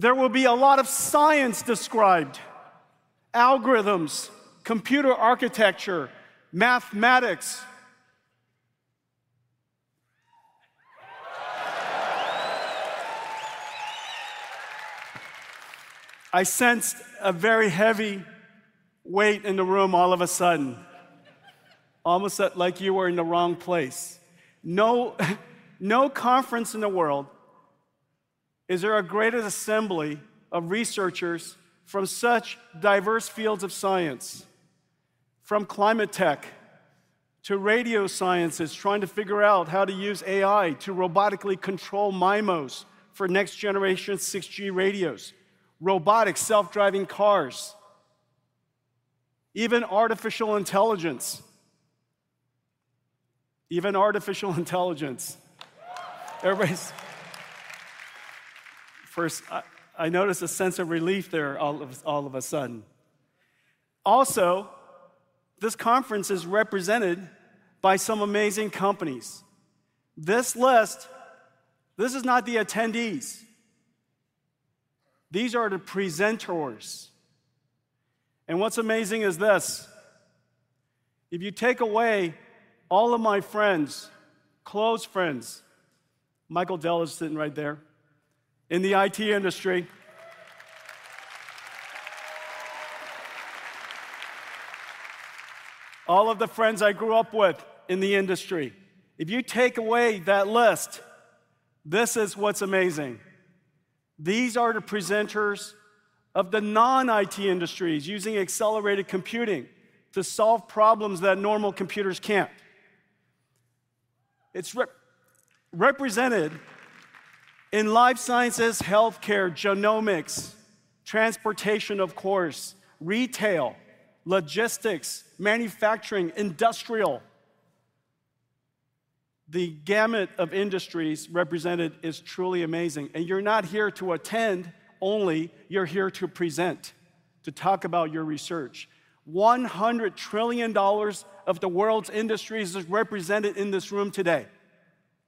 There will be a lot of science described, algorithms, computer architecture, mathematics. I sensed a very heavy weight in the room all of a sudden. Almost like you were in the wrong place. No, no conference in the world is there a greater assembly of researchers from such diverse fields of science, from climate tech to radio sciences, trying to figure out how to use AI to robotically control MIMOs for next generation 6G radios, robotics, self-driving cars, even artificial intelligence. Even artificial intelligence. Everybody's. First, I, I noticed a sense of relief there all of, all of a sudden. Also, this conference is represented by some amazing companies. This list, this is not the attendees, these are the presenters. What's amazing is this: if you take away all of my friends, close friends, Michael Dell is sitting right there, in the IT industry. All of the friends I grew up with in the industry. If you take away that list, this is what's amazing. These are the presenters of the non-IT industries using accelerated computing to solve problems that normal computers can't. It's represented in life sciences, healthcare, genomics, transportation, of course, retail, logistics, manufacturing, industrial. The gamut of industries represented is truly amazing, and you're not here to attend only, you're here to present, to talk about your research. $100 trillion of the world's industries is represented in this room today.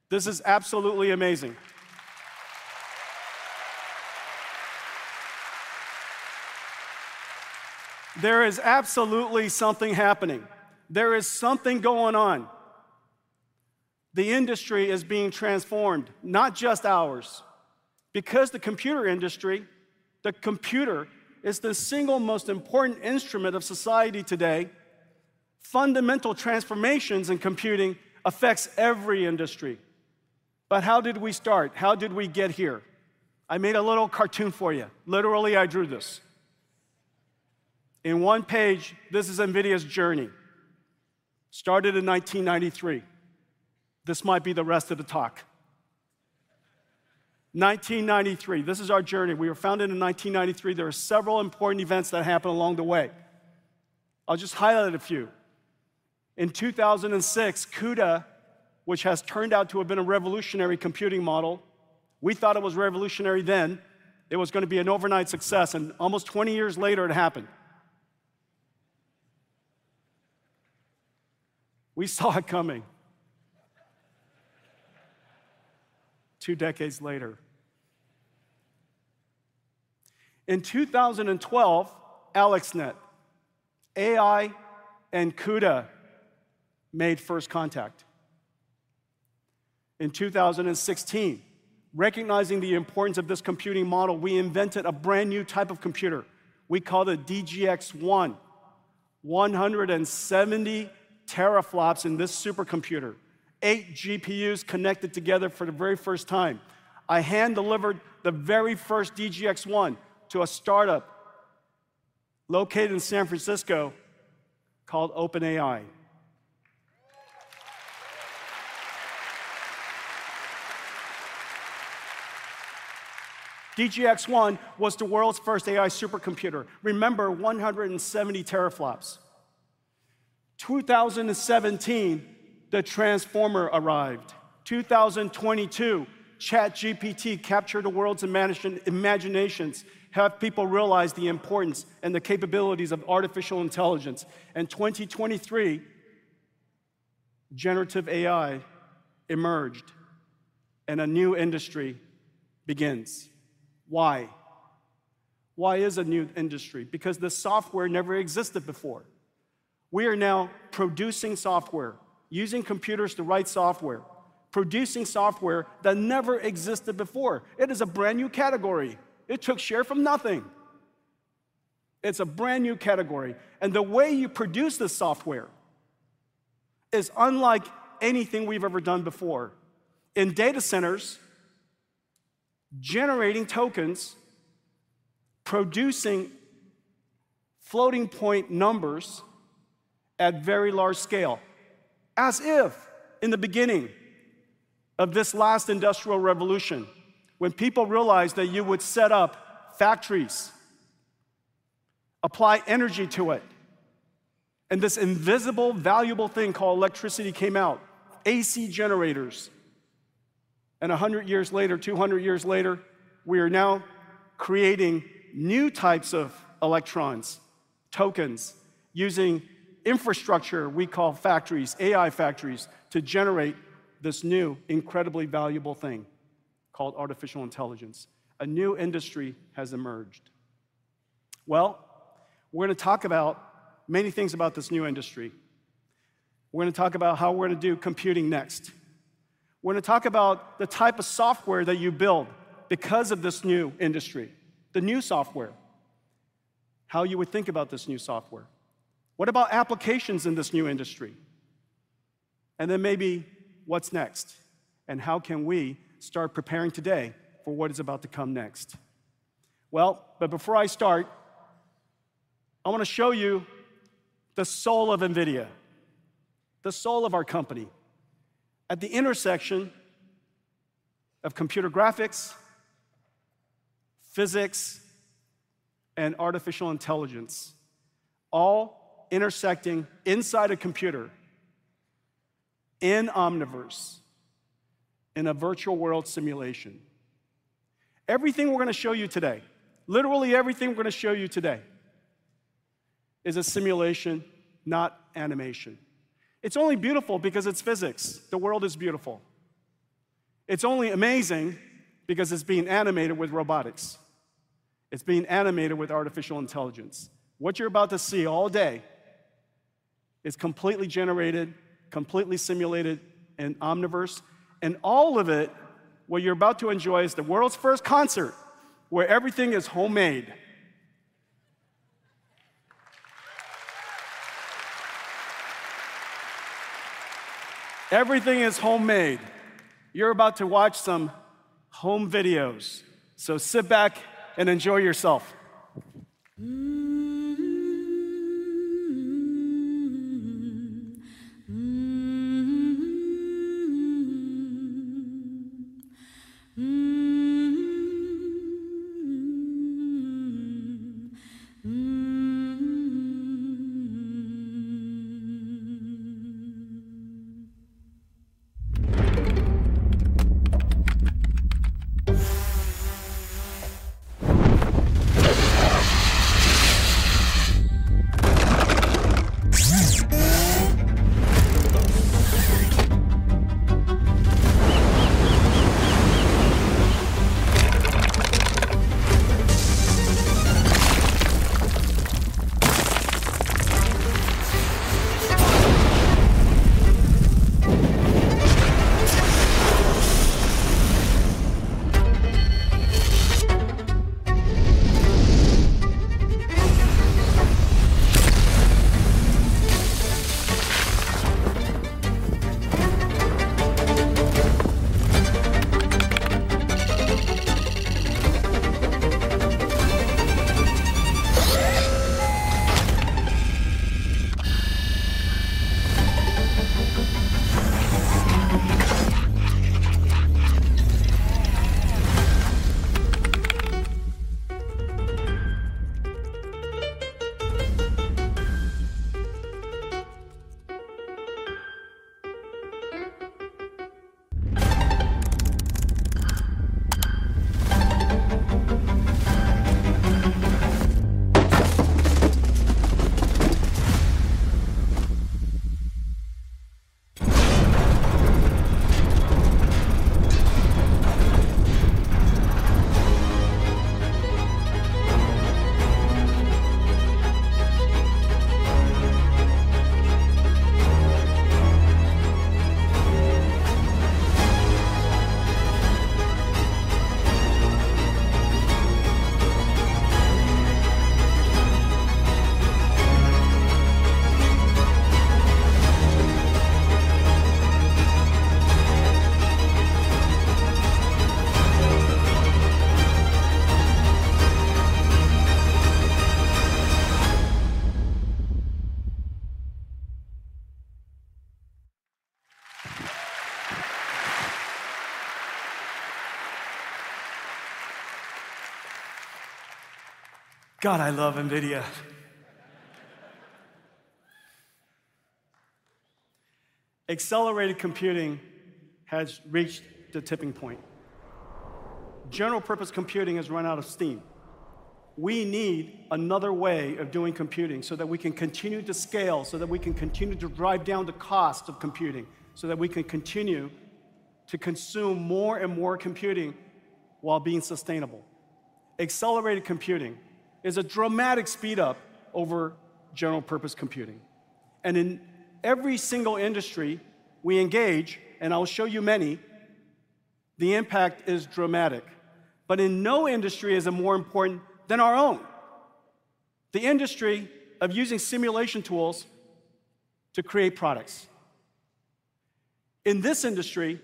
This is absolutely amazing. There is absolutely something happening. There is something going on. The industry is being transformed, not just ours. Because the computer industry, the computer, is the single most important instrument of society today, fundamental transformations in computing affects every industry. But how did we start? How did we get here? I made a little cartoon for you. Literally, I drew this. In one page, this is NVIDIA's journey. Started in 1993. This might be the rest of the talk. 1993, this is our journey. We were founded in 1993. There are several important events that happened along the way. I'll just highlight a few. In 2006, CUDA, which has turned out to have been a revolutionary computing model. We thought it was revolutionary then. It was gonna be an overnight success, and almost 20 years later, it happened. We saw it coming, two decades later. In 2012, AlexNet, AI, and CUDA made first contact. In 2016, recognizing the importance of this computing model, we invented a brand-new type of computer. We called it DGX-1. 170 teraflops in this supercomputer, eight GPUs connected together for the very first time. I hand-delivered the very first DGX-1 to a startup located in San Francisco called OpenAI. DGX-1 was the world's first AI supercomputer. Remember, 170 teraflops. 2017, the Transformer arrived. 2022, ChatGPT captured the world's imaginations, helped people realize the importance and the capabilities of artificial intelligence. 2023, generative AI emerged, and a new industry begins. Why? Why is a new industry? Because this software never existed before. We are now producing software, using computers to write software, producing software that never existed before. It is a brand-new category. It took share from nothing. It's a brand-new category, and the way you produce this software is unlike anything we've ever done before. In data centers, generating tokens, producing floating-point numbers at very large scale. As if in the beginning of this last industrial revolution, when people realized that you would set up factories, apply energy to it, and this invisible, valuable thing called electricity came out, AC generators. And 100 years later, 200 years later, we are now creating new types of electrons, tokens using infrastructure we call factories, AI factories, to generate this new, incredibly valuable thing called artificial intelligence. A new industry has emerged. Well, we're gonna talk about many things about this new industry. We're gonna talk about how we're gonna do computing next. We're gonna talk about the type of software that you build because of this new industry, the new software, how you would think about this new software. What about applications in this new industry? And then maybe, what's next, and how can we start preparing today for what is about to come next? Well, but before I start, I wanna show you the soul of NVIDIA, the soul of our company. At the intersection of computer graphics, physics, and artificial intelligence, all intersecting inside a computer in Omniverse, in a virtual world simulation. Everything we're gonna show you today, literally everything we're gonna show you today, is a simulation, not animation. It's only beautiful because it's physics. The world is beautiful. It's only amazing because it's being animated with robotics. It's being animated with artificial intelligence. What you're about to see all day is completely generated, completely simulated in Omniverse, and all of it, what you're about to enjoy, is the world's first concert where everything is homemade. Everything is homemade. You're about to watch some home videos, so sit back and enjoy yourself. God, I love NVIDIA! Accelerated computing has reached the tipping point. General-purpose computing has run out of steam. We need another way of doing computing, so that we can continue to scale, so that we can continue to drive down the cost of computing, so that we can continue to consume more and more computing while being sustainable. Accelerated computing is a dramatic speed-up over general-purpose computing, and in every single industry we engage, and I will show you many, the impact is dramatic. But in no industry is it more important than our own, the industry of using simulation tools to create products. In this industry,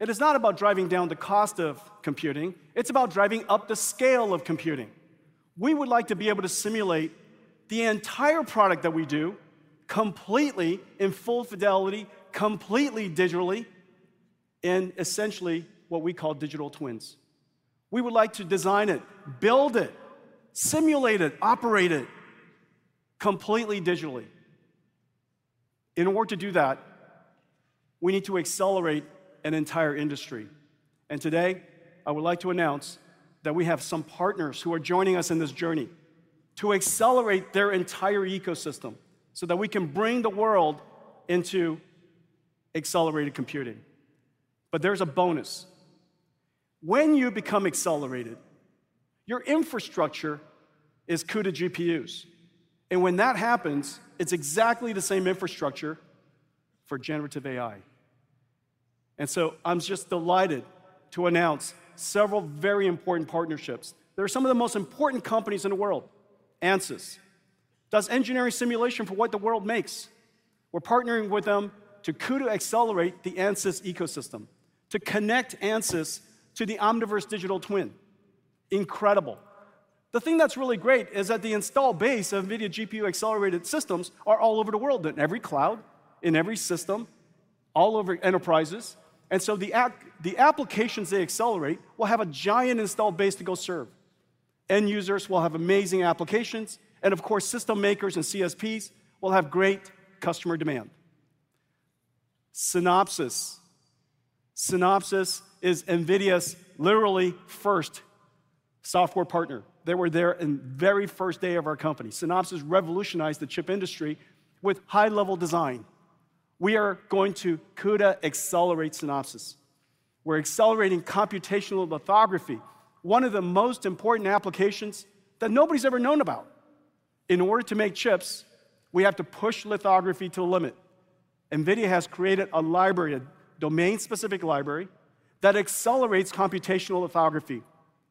it is not about driving down the cost of computing, it's about driving up the scale of computing. We would like to be able to simulate the entire product that we do completely in full fidelity, completely digitally, in essentially what we call digital twins. We would like to design it, build it, simulate it, operate it completely digitally. In order to do that, we need to accelerate an entire industry. Today, I would like to announce that we have some partners who are joining us in this journey to accelerate their entire ecosystem, so that we can bring the world into accelerated computing. There's a bonus. When you become accelerated, your infrastructure is CUDA GPUs, and when that happens, it's exactly the same infrastructure for generative AI. So I'm just delighted to announce several very important partnerships. They're some of the most important companies in the world. Ansys does engineering simulation for what the world makes. We're partnering with them to CUDA accelerate the Ansys ecosystem, to connect Ansys to the Omniverse digital twin. Incredible! The thing that's really great is that the install base of NVIDIA GPU-accelerated systems are all over the world, in every cloud, in every system, all over enterprises. And so the applications they accelerate will have a giant installed base to go serve. End users will have amazing applications, and of course, system makers and CSPs will have great customer demand. Synopsys. Synopsys is NVIDIA's literally first software partner. They were there in the very first day of our company. Synopsys revolutionized the chip industry with high-level design. We are going to CUDA accelerate Synopsys. We're accelerating computational lithography, one of the most important applications that nobody's ever known about. In order to make chips, we have to push lithography to the limit. NVIDIA has created a library, a domain-specific library, that accelerates computational lithography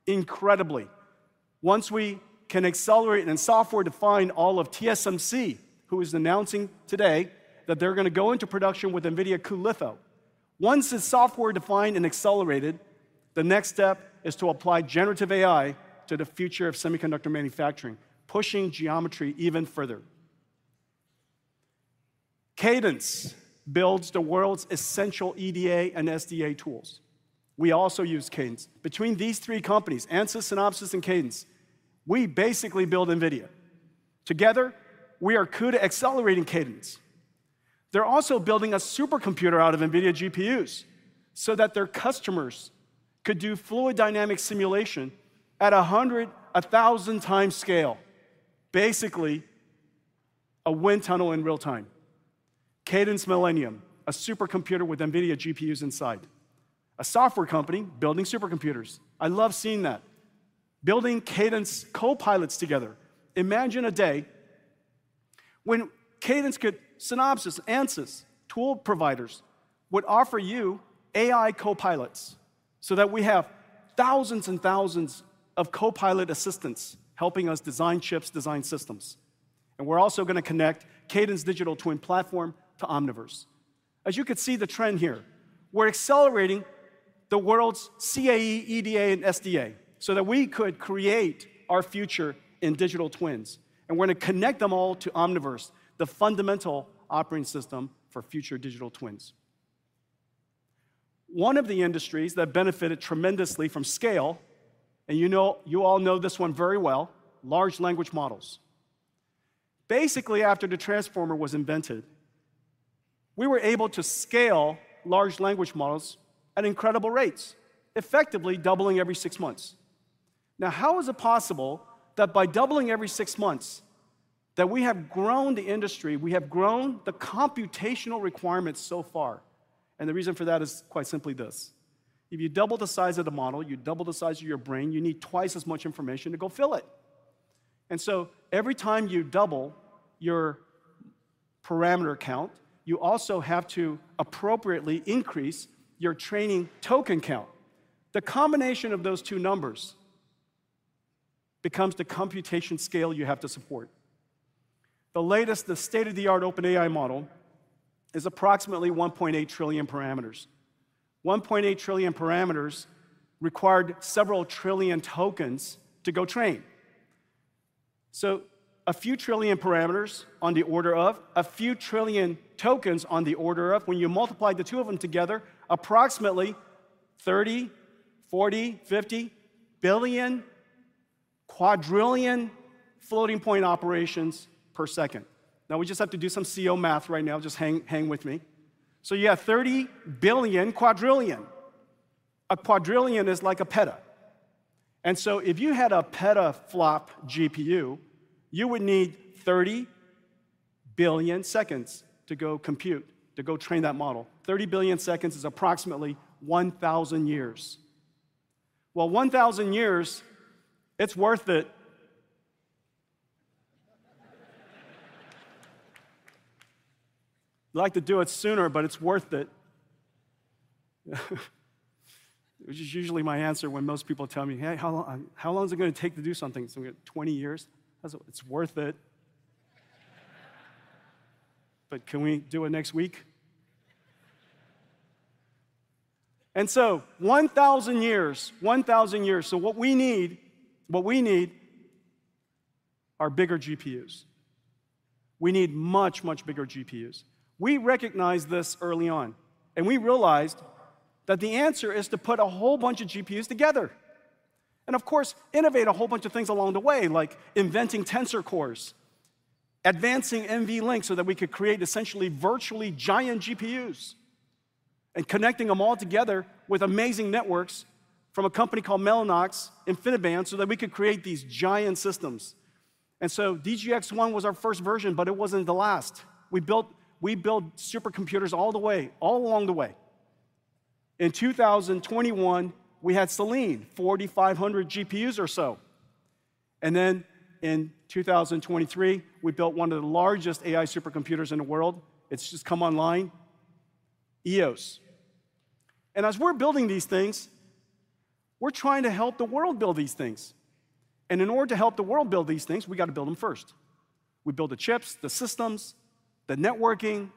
incredibly. Once we can accelerate and software-define all of TSMC, who is announcing today that they're gonna go into production with NVIDIA cuLitho. Once it's software-defined and accelerated, the next step is to apply generative AI to the future of semiconductor manufacturing, pushing geometry even further. Cadence builds the world's essential EDA and SDA tools. We also use Cadence. Between these three companies, Ansys, Synopsys, and Cadence, we basically build NVIDIA. Together, we are CUDA accelerating Cadence. They're also building a supercomputer out of NVIDIA GPUs, so that their customers could do fluid dynamic simulation at 100-1,000 times scale, basically, a wind tunnel in real time. Cadence Millennium, a supercomputer with NVIDIA GPUs inside. A software company building supercomputers. I love seeing that. Building Cadence Copilots together. Imagine a day when Cadence could. Synopsys, Ansys, tool providers, would offer you AI Copilots, so that we have thousands and thousands of Copilot assistants helping us design chips, design systems. And we're also gonna connect Cadence Digital Twin platform to Omniverse. As you can see the trend here, we're accelerating the world's CAE, EDA, and SDA, so that we could create our future in digital twins, and we're gonna connect them all to Omniverse, the fundamental operating system for future digital twins. One of the industries that benefited tremendously from scale, and you know—you all know this one very well, large language models. Basically, after the Transformer was invented, we were able to scale large language models at incredible rates, effectively doubling every six months. Now, how is it possible that by doubling every six months, that we have grown the industry, we have grown the computational requirements so far? And the reason for that is quite simply this: if you double the size of the model, you double the size of your brain, you need twice as much information to go fill it. So every time you double your parameter count, you also have to appropriately increase your training token count. The combination of those two numbers becomes the computation scale you have to support. The latest, the state-of-the-art OpenAI model, is approximately 1.8 trillion parameters. 1.8 trillion parameters required several trillion tokens to go train. So a few trillion parameters on the order of, a few trillion tokens on the order of, when you multiply the two of them together, approximately 30, 40, 50 billion quadrillion floating-point operations per second. Now, we just have to do some quick math right now. Just hang with me. So you have 30 billion quadrillion. A quadrillion is like a peta. And so if you had a petaflop GPU, you would need 30 billion seconds to go compute, to go train that model. 30 billion seconds is approximately 1,000 years. Well, 1,000 years, it's worth it. You'd like to do it sooner, but it's worth it, which is usually my answer when most people tell me, "Hey, how long, how long is it gonna take to do something?" I say, "We got 20 years." I say, "It's worth it." "But can we do it next week?" And so 1,000 years, 1,000 years. So what we need, what we need are bigger GPUs. We need much, much bigger GPUs. We recognized this early on, and we realized that the answer is to put a whole bunch of GPUs together. And of course, innovate a whole bunch of things along the way, like inventing Tensor Cores, advancing NVLink, so that we could create essentially virtually giant GPUs, and connecting them all together with amazing networks from a company called Mellanox InfiniBand, so that we could create these giant systems. And so DGX-1 was our first version, but it wasn't the last. We built, we build supercomputers all the way, all along the way. In 2021, we had Selene, 4,500 GPUs or so. And then in 2023, we built one of the largest AI supercomputers in the world. It's just come online, Eos. And as we're building these things, we're trying to help the world build these things. And in order to help the world build these things, we gotta build them first. We build the chips, the systems, the networking,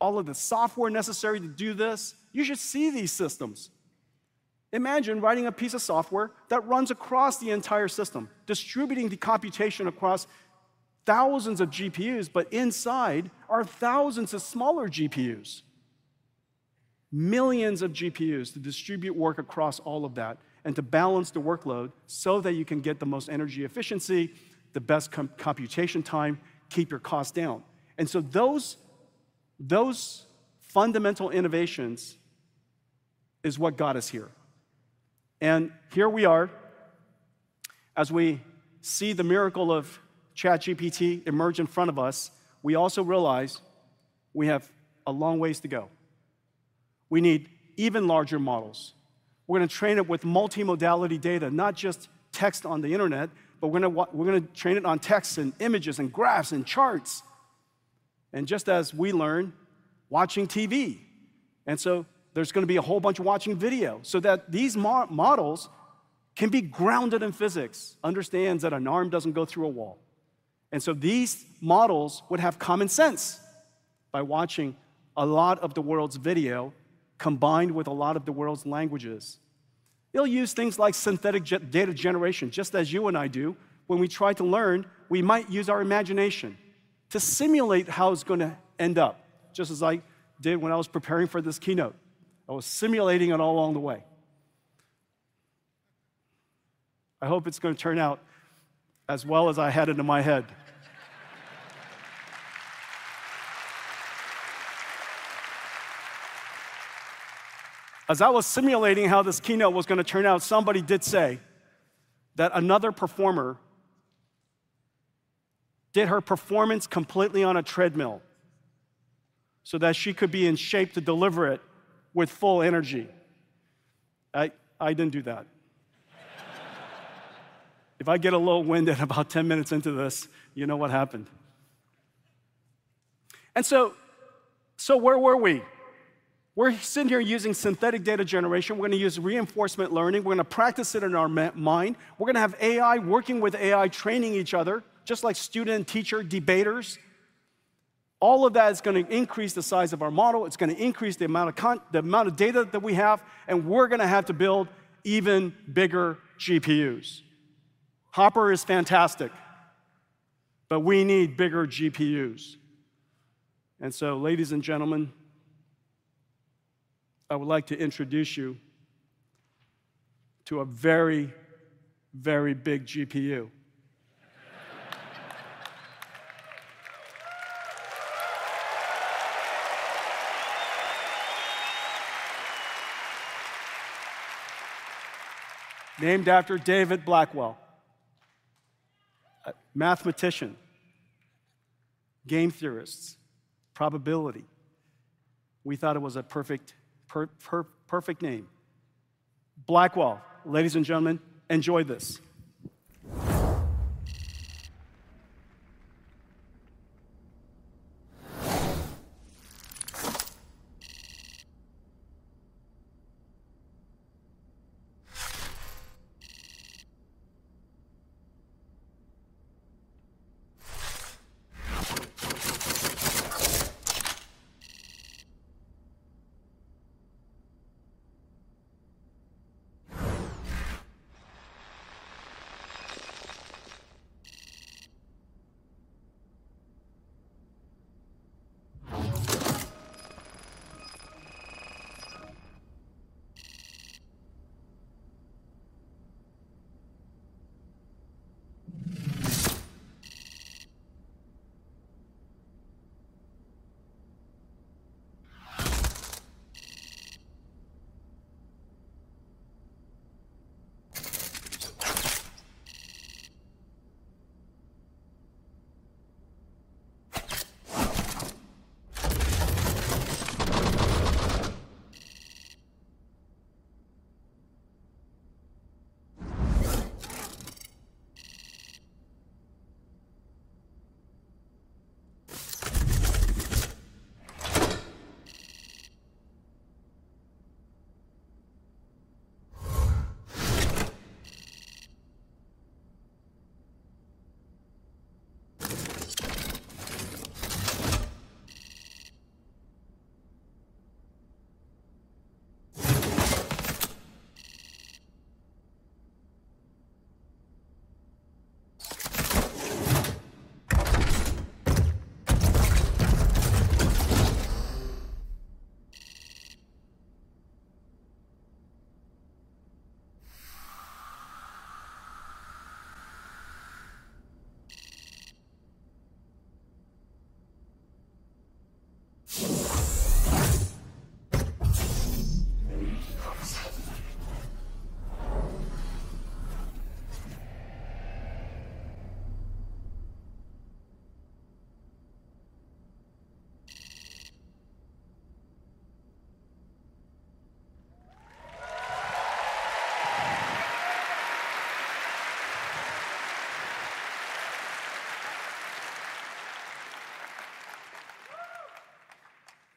all of the software necessary to do this. You should see these systems! Imagine writing a piece of software that runs across the entire system, distributing the computation across thousands of GPUs, but inside are thousands of smaller GPUs. Millions of GPUs to distribute work across all of that and to balance the workload so that you can get the most energy efficiency, the best computation time, keep your costs down. And so those fundamental innovations is what got us here. And here we are. As we see the miracle of ChatGPT emerge in front of us, we also realize we have a long ways to go. We need even larger models. We're gonna train it with multimodality data, not just text on the internet, but we're gonna train it on texts, and images, and graphs, and charts, and just as we learn, watching TV. And so there's gonna be a whole bunch of watching video so that these models can be grounded in physics, understands that an arm doesn't go through a wall. And so these models would have common sense by watching a lot of the world's video, combined with a lot of the world's languages. It'll use things like synthetic data generation, just as you and I do. When we try to learn, we might use our imagination to simulate how it's gonna end up, just as I did when I was preparing for this keynote. I was simulating it all along the way. I hope it's gonna turn out as well as I had it in my head. As I was simulating how this keynote was gonna turn out, somebody did say that another performer did her performance completely on a treadmill so that she could be in shape to deliver it with full energy. I didn't do that. If I get a little winded about 10 minutes into this, you know what happened. So where were we? We're sitting here using synthetic data generation. We're gonna use reinforcement learning. We're gonna practice it in our mind. We're gonna have AI working with AI, training each other, just like student-teacher debaters. All of that is gonna increase the size of our model, it's gonna increase the amount of the amount of data that we have, and we're gonna have to build even bigger GPUs. Hopper is fantastic, but we need bigger GPUs. Ladies and gentlemen, I would like to introduce you to a very, very big GPU. Named after David Blackwell, a mathematician, game theorist, probability. We thought it was a perfect name. Blackwell. Ladies and gentlemen, enjoy this.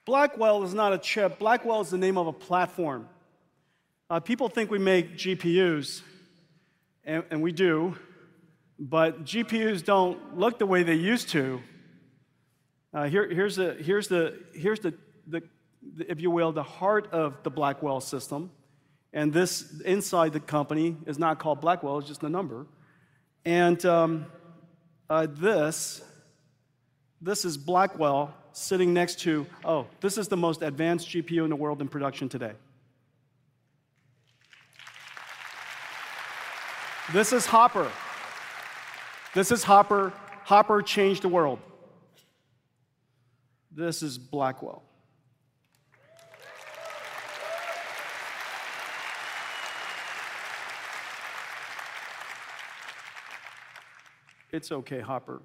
Blackwell is not a chip, Blackwell is the name of a platform. People think we make GPUs, and we do, but GPUs don't look the way they used to. Here's the heart of the Blackwell system, and this, inside the company, is not called Blackwell, it's just a number. This is Blackwell sitting next to. Oh, this is the most advanced GPU in the world in production today. This is Hopper. This is Hopper. Hopper changed the world. This is Blackwell. It's okay, Hopper.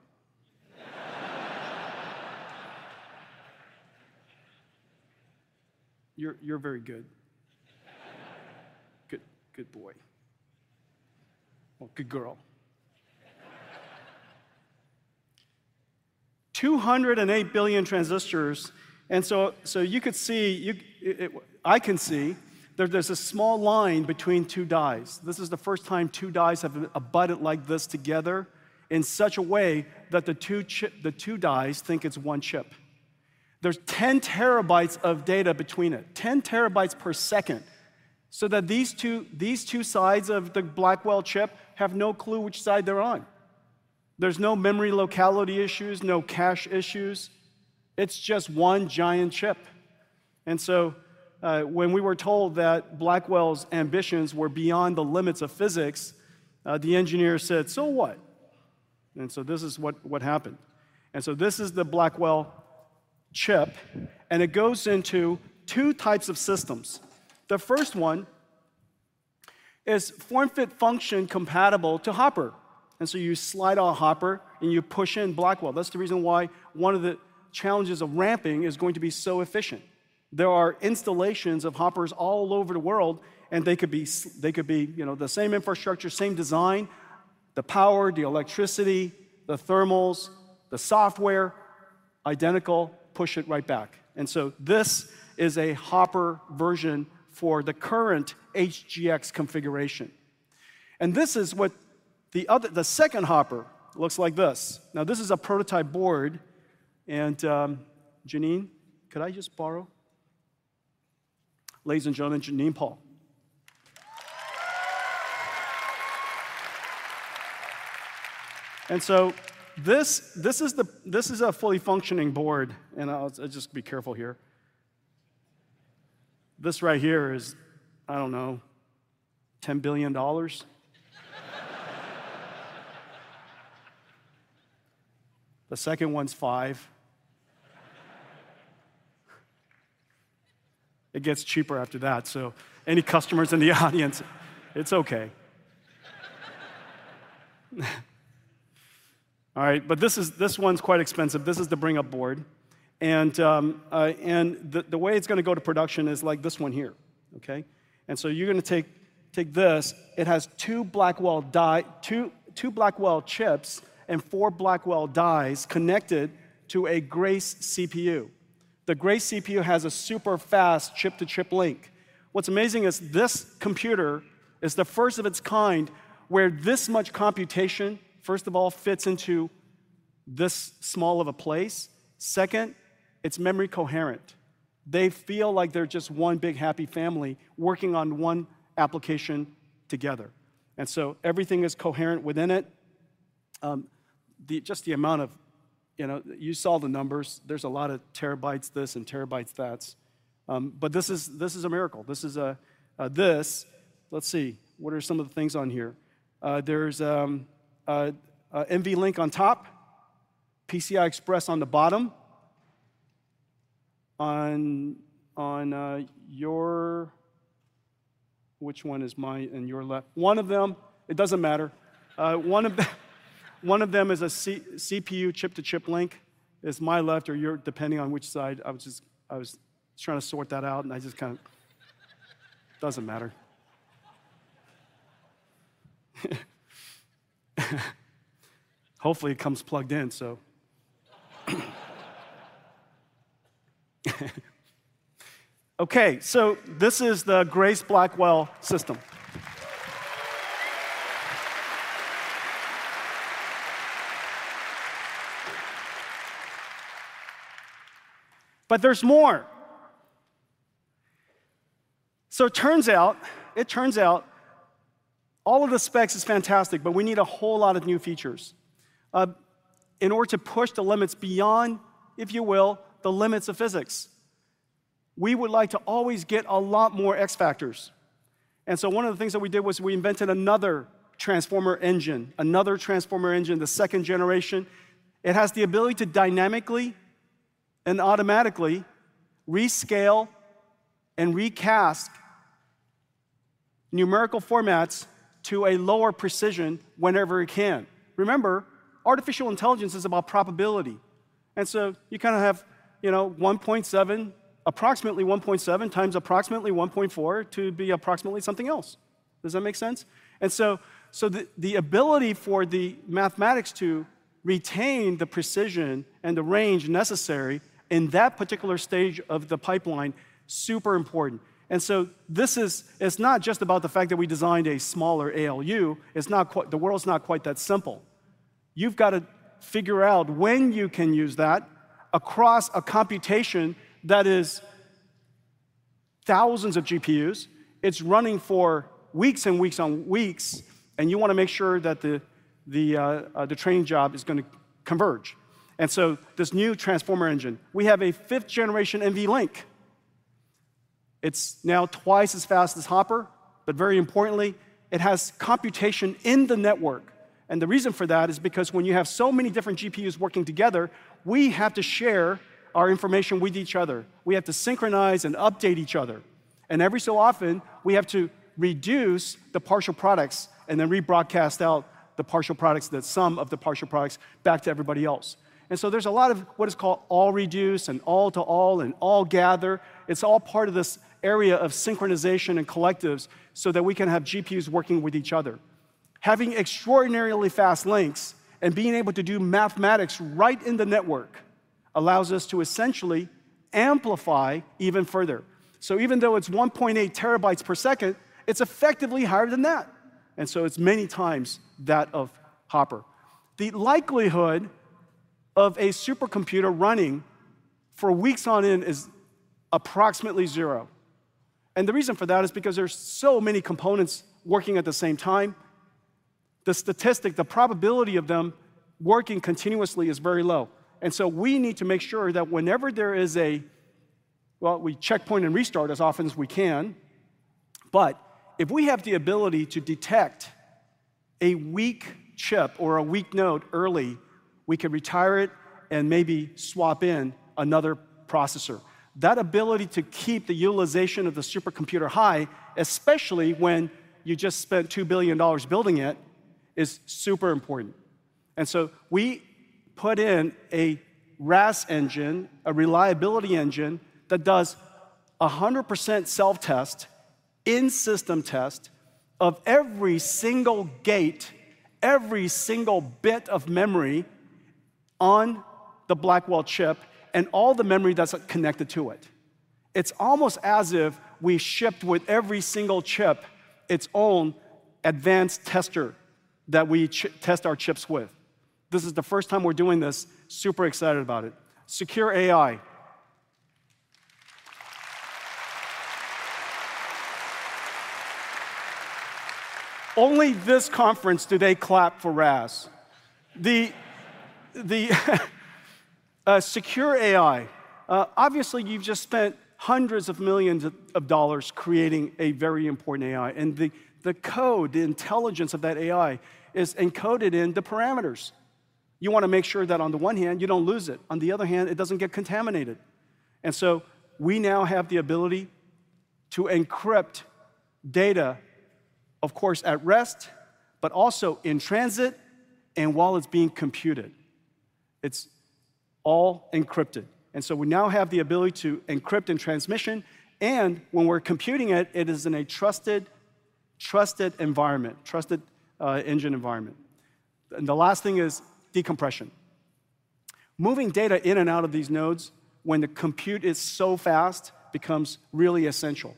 You're very good. Good boy. Well, good girl. 208 billion transistors, and so you could see it. I can see that there's a small line between two dies. This is the first time two dies have abutted like this together in such a way that the two dies think it's one chip. There's 10 terabytes of data between it, 10 terabytes per second, so that these two sides of the Blackwell chip have no clue which side they're on. There's no memory locality issues, no cache issues. It's just one giant chip. And so when we were told that Blackwell's ambitions were beyond the limits of physics, the engineer said, "So what?" And so this is what happened. And so this is the Blackwell chip, and it goes into two types of systems. The first one is form-fit-function compatible to Hopper, and so you slide out Hopper, and you push in Blackwell. That's the reason why one of the challenges of ramping is going to be so efficient. There are installations of Hoppers all over the world, and they could be, you know, the same infrastructure, same design, the power, the electricity, the thermals, the software, identical, push it right back. And so this is a Hopper version for the current HGX configuration. And this is what the other, the second Hopper looks like this. Now, this is a prototype board, and Janine, could I just borrow? Ladies and gentlemen, Janine Paniagua. And so this, this is a fully functioning board, and I'll, I'll just be careful here. This right here is, I don't know, $10 billion. The second one's $5 billion. It gets cheaper after that, so any customers in the audience, it's okay. All right, but this is, this one's quite expensive. This is the bring-up board, and the way it's gonna go to production is like this one here, okay? And so you're gonna take this. It has 2 Blackwell chips and 4 Blackwell dies connected to a Grace CPU. The Grace CPU has a super-fast chip-to-chip link. What's amazing is this computer is the first of its kind, where this much computation, first of all, fits into this small of a place. Second, it's memory coherent. They feel like they're just one big, happy family working on one application together, and so everything is coherent within it. Just the amount of you know, you saw the numbers. There's a lot of terabytes this and terabytes that's. But this is, this is a miracle. This, let's see, what are some of the things on here? There's a NVLink on top, PCI Express on the bottom. On your, which one is my and your left? One of them, it doesn't matter. One of them is a Grace CPU chip-to-chip link. It's my left or your, depending on which side. I was just trying to sort that out, and I just kind of- Doesn't matter. Hopefully, it comes plugged in, so. Okay, so this is the Grace Blackwell system. But there's more! So it turns out all of the specs is fantastic, but we need a whole lot of new features. In order to push the limits beyond, if you will, the limits of physics, we would like to always get a lot more X factors. And so one of the things that we did was we invented another Transformer Engine, another Transformer Engine, the second generation. It has the ability to dynamically and automatically rescale and recast numerical formats to a lower precision whenever it can. Remember, artificial intelligence is about probability, and so you kinda have, you know, 1.7, approximately 1.4 to be approximately something else. Does that make sense? And so, so the, the ability for the mathematics to retain the precision and the range necessary in that particular stage of the pipeline, super important. This is—it's not just about the fact that we designed a smaller ALU, it's not quite the world's not quite that simple. You've got to figure out when you can use that across a computation that is thousands of GPUs. It's running for weeks and weeks on weeks, and you wanna make sure that the training job is gonna converge, and so this new Transformer Engine. We have a fifth generation NVLink. It's now twice as fast as Hopper, but very importantly, it has computation in the network, and the reason for that is because when you have so many different GPUs working together, we have to share our information with each other. We have to synchronize and update each other, and every so often, we have to reduce the partial products and then rebroadcast out the partial products, the sum of the partial products, back to everybody else. And so there's a lot of what is called all reduce, and all to all, and all gather. It's all part of this area of synchronization and collectives so that we can have GPUs working with each other. Having extraordinarily fast links and being able to do mathematics right in the network allows us to essentially amplify even further. So even though it's 1.8 terabytes per second, it's effectively higher than that, and so it's many times that of Hopper. The likelihood of a supercomputer running for weeks on end is approximately zero, and the reason for that is because there's so many components working at the same time. The statistic, the probability of them working continuously is very low, and so we need to make sure that whenever there is a, well, we checkpoint and restart as often as we can, but if we have the ability to detect a weak chip or a weak node early, we can retire it and maybe swap in another processor. That ability to keep the utilization of the supercomputer high, especially when you just spent $2 billion building it, is super important. And so we put in a RAS engine, a reliability engine, that does 100% self-test, in-system test, of every single gate, every single bit of memory on the Blackwell chip, and all the memory that's connected to it. It's almost as if we shipped with every single chip its own advanced tester that we test our chips with. This is the first time we're doing this. Super excited about it. Secure AI. Only this conference do they clap for RAS. The secure AI. Obviously, you've just spent $hundreds of millions creating a very important AI, and the code, the intelligence of that AI, is encoded in the parameters. You wanna make sure that on the one hand, you don't lose it, on the other hand, it doesn't get contaminated. And so we now have the ability to encrypt data, of course, at rest, but also in transit and while it's being computed. It's all encrypted, and so we now have the ability to encrypt in transmission, and when we're computing it, it is in a trusted environment, trusted engine environment. And the last thing is decompression. Moving data in and out of these nodes when the compute is so fast becomes really essential,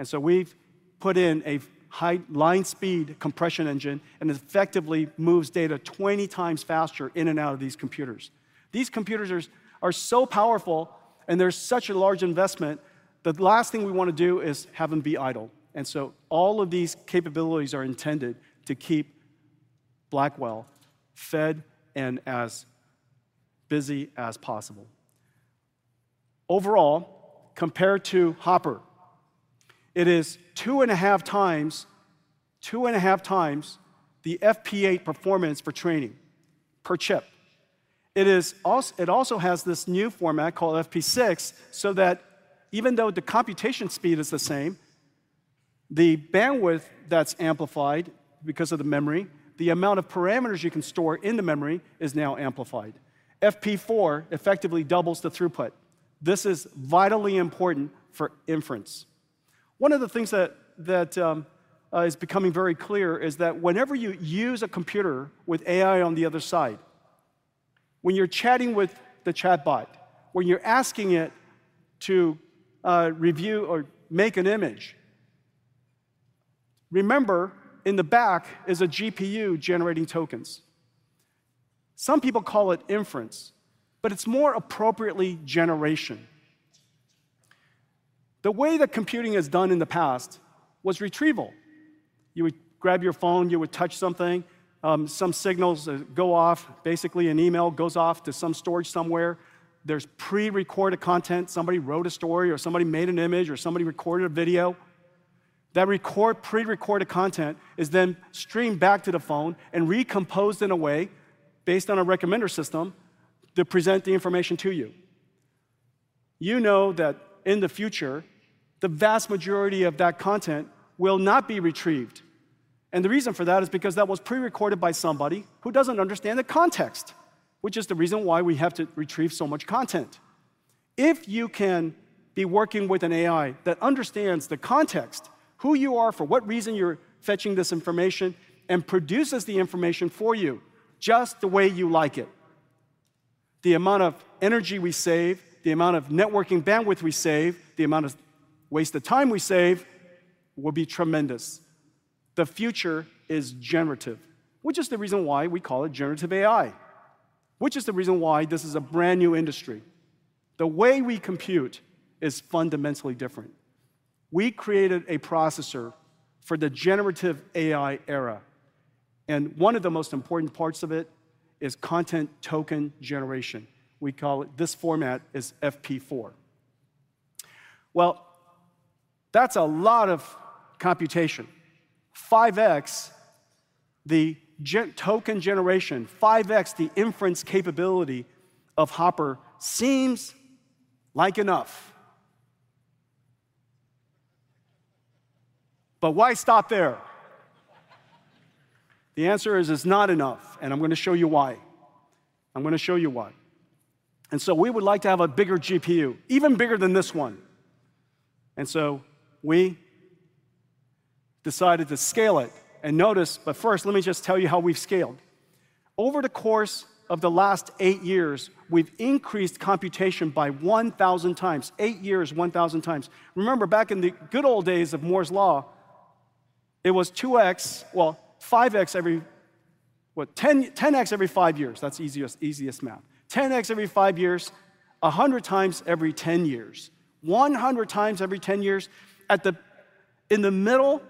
and so we've put in a high line speed compression engine, and it effectively moves data 20 times faster in and out of these computers. These computers are so powerful, and they're such a large investment, the last thing we wanna do is have them be idle. And so all of these capabilities are intended to keep Blackwell fed and as busy as possible. Overall, compared to Hopper, it is 2.5 times, 2.5 times the FP8 performance for training per chip. It also has this new format called FP6, so that even though the computation speed is the same, the bandwidth that's amplified because of the memory, the amount of parameters you can store in the memory is now amplified. FP4 effectively doubles the throughput. This is vitally important for inference. One of the things that is becoming very clear is that whenever you use a computer with AI on the other side, when you're chatting with the chatbot, when you're asking it to review or make an image, remember, in the back is a GPU generating tokens. Some people call it inference, but it's more appropriately generation. The way that computing is done in the past was retrieval. You would grab your phone, you would touch something, some signals go off. Basically, an email goes off to some storage somewhere. There's pre-recorded content, somebody wrote a story, or somebody made an image, or somebody recorded a video. That pre-recorded content is then streamed back to the phone and recomposed in a way, based on a recommender system, to present the information to you. You know that in the future, the vast majority of that content will not be retrieved, and the reason for that is because that was pre-recorded by somebody who doesn't understand the context, which is the reason why we have to retrieve so much content. If you can be working with an AI that understands the context, who you are, for what reason you're fetching this information, and produces the information for you just the way you like it, the amount of energy we save, the amount of networking bandwidth we save, the amount of wasted time we save will be tremendous. The future is generative, which is the reason why we call it generative AI, which is the reason why this is a brand-new industry. The way we compute is fundamentally different. We created a processor for the generative AI era, and one of the most important parts of it is content token generation. We call it, this format is FP4. Well, that's a lot of computation. 5x the token generation, 5x the inference capability of Hopper seems like enough. But why stop there? The answer is, it's not enough, and I'm gonna show you why. I'm gonna show you why. So we would like to have a bigger GPU, even bigger than this one, and so we decided to scale it. Notice. But first, let me just tell you how we've scaled. Over the course of the last 8 years, we've increased computation by 1,000 times. 8 years, 1,000 times. Remember, back in the good old days of Moore's Law, it was 2x. Well, 5x every, what? 10, 10x every 5 years. That's the easiest, easiest math. 10x every 5 years, 100 times every 10 years. 100 times every 10 years at the, in the middle,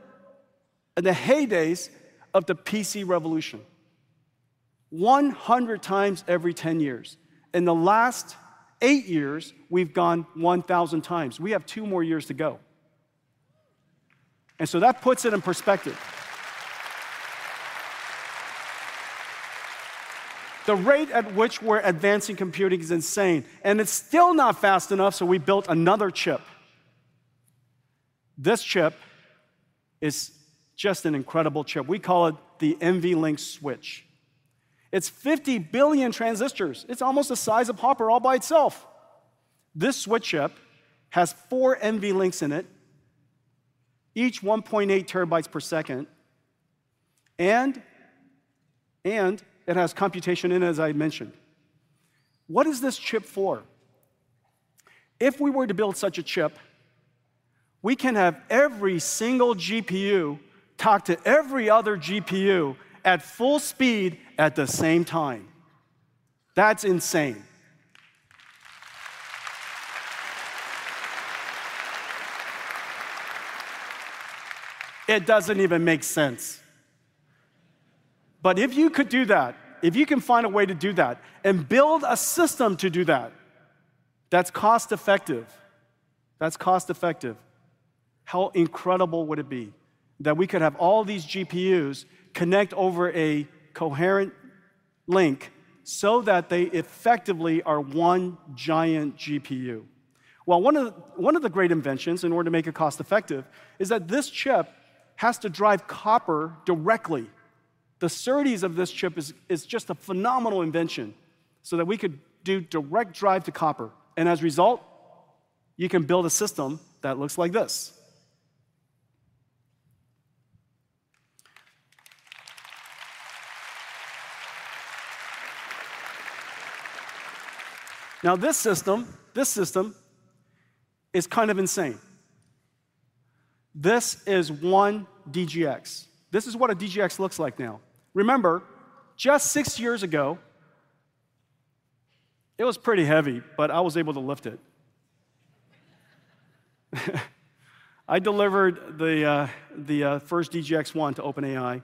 in the heydays of the PC revolution. 100 times every 10 years. In the last 8 years, we've gone 1,000 times. We have 2 more years to go. And so that puts it in perspective. The rate at which we're advancing computing is insane, and it's still not fast enough, so we built another chip. This chip is just an incredible chip. We call it the NVLink Switch. It's 50 billion transistors. It's almost the size of Hopper all by itself. This switch chip has four NVLinks in it, each 1.8 terabytes per second, and it has computation in, as I mentioned. What is this chip for? If we were to build such a chip, we can have every single GPU talk to every other GPU at full speed at the same time. That's insane. It doesn't even make sense. But if you could do that, if you can find a way to do that, and build a system to do that, that's cost-effective, that's cost-effective, how incredible would it be that we could have all these GPUs connect over a coherent link so that they effectively are one giant GPU? Well, one of the great inventions, in order to make it cost-effective, is that this chip has to drive copper directly. The SerDes of this chip is just a phenomenal invention, so that we could do direct drive to copper, and as a result, you can build a system that looks like this. Now, this system is kind of insane. This is one DGX. This is what a DGX looks like now. Remember, just six years ago, it was pretty heavy, but I was able to lift it. I delivered the first DGX-1 to OpenAI,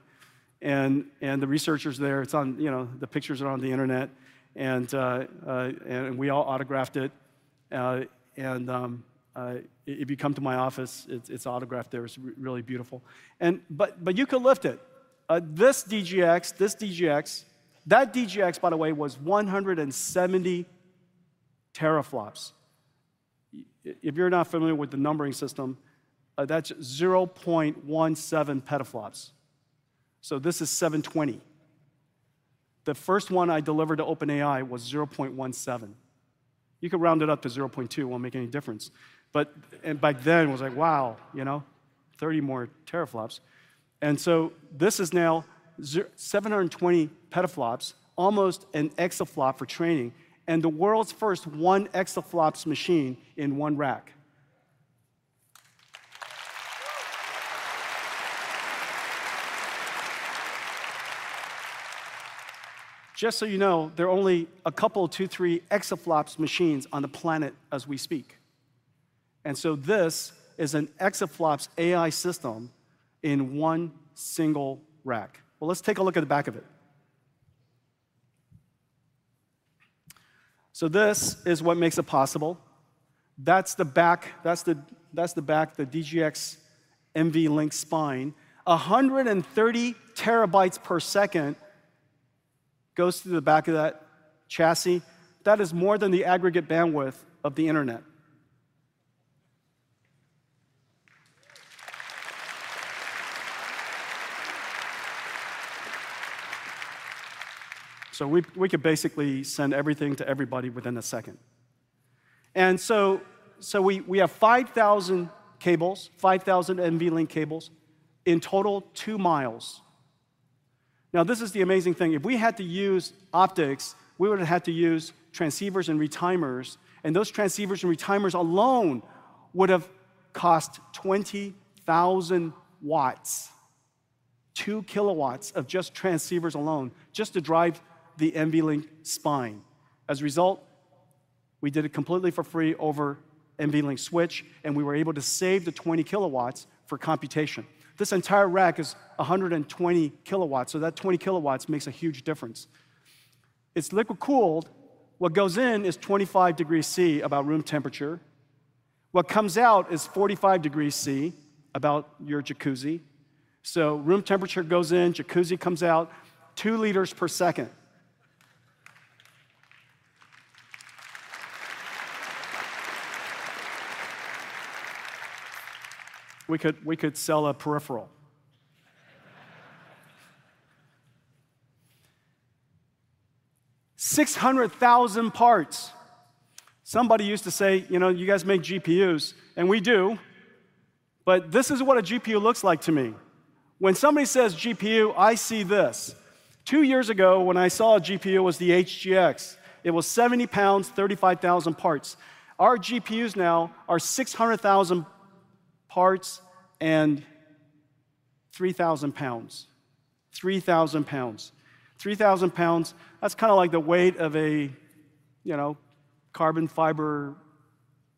and the researchers there, it's on, you know, the pictures are on the internet, and we all autographed it. And if you come to my office, it's autographed there. It's really beautiful. But you could lift it. This DGX. That DGX, by the way, was 170 teraflops. If you're not familiar with the numbering system, that's 0.17 petaflops. So this is 720. The first one I delivered to OpenAI was 0.17. You could round it up to 0.2, it won't make any difference. But and back then, it was like, "Wow," you know, "30 more teraflops." And so this is now 720 petaflops, almost an exaflop for training, and the world's first 1 exaflop machine in 1 rack. Just so you know, there are only a couple, 2, 3 exaflop machines on the planet as we speak. And so this is an exaflop AI system in 1 single rack. Well, let's take a look at the back of it. So this is what makes it possible. That's the back, that's the back, the DGX NVLink Spine. 130 terabytes per second goes through the back of that chassis. That is more than the aggregate bandwidth of the internet. So we could basically send everything to everybody within a second. And so we have 5,000 cables, 5,000 NVLink cables, in total, 2 miles. Now, this is the amazing thing: if we had to use optics, we would have had to use transceivers and retimers, and those transceivers and retimers alone would have cost 20,000 W. 2 kW of just transceivers alone, just to drive the NVLink spine. As a result, we did it completely for free over NVLink Switch, and we were able to save the 20 kW for computation. This entire rack is 120 kW, so that 20 kW makes a huge difference. It's liquid-cooled. What goes in is 25 degrees Celsius, about room temperature. What comes out is 45 degrees Celsius, about your Jacuzzi. So room temperature goes in, Jacuzzi comes out, 2 liters per second. We could, we could sell a peripheral. 600,000 parts. Somebody used to say, "You know, you guys make GPUs," and we do, but this is what a GPU looks like to me. When somebody says GPU, I see this. Two years ago, when I saw a GPU, it was the HGX. It was 70 pounds, 35,000 parts. Our GPUs now are 600,000 parts and 3,000 pounds. 3,000 pounds. 3,000 pounds, that's kinda like the weight of a, you know, carbon fiber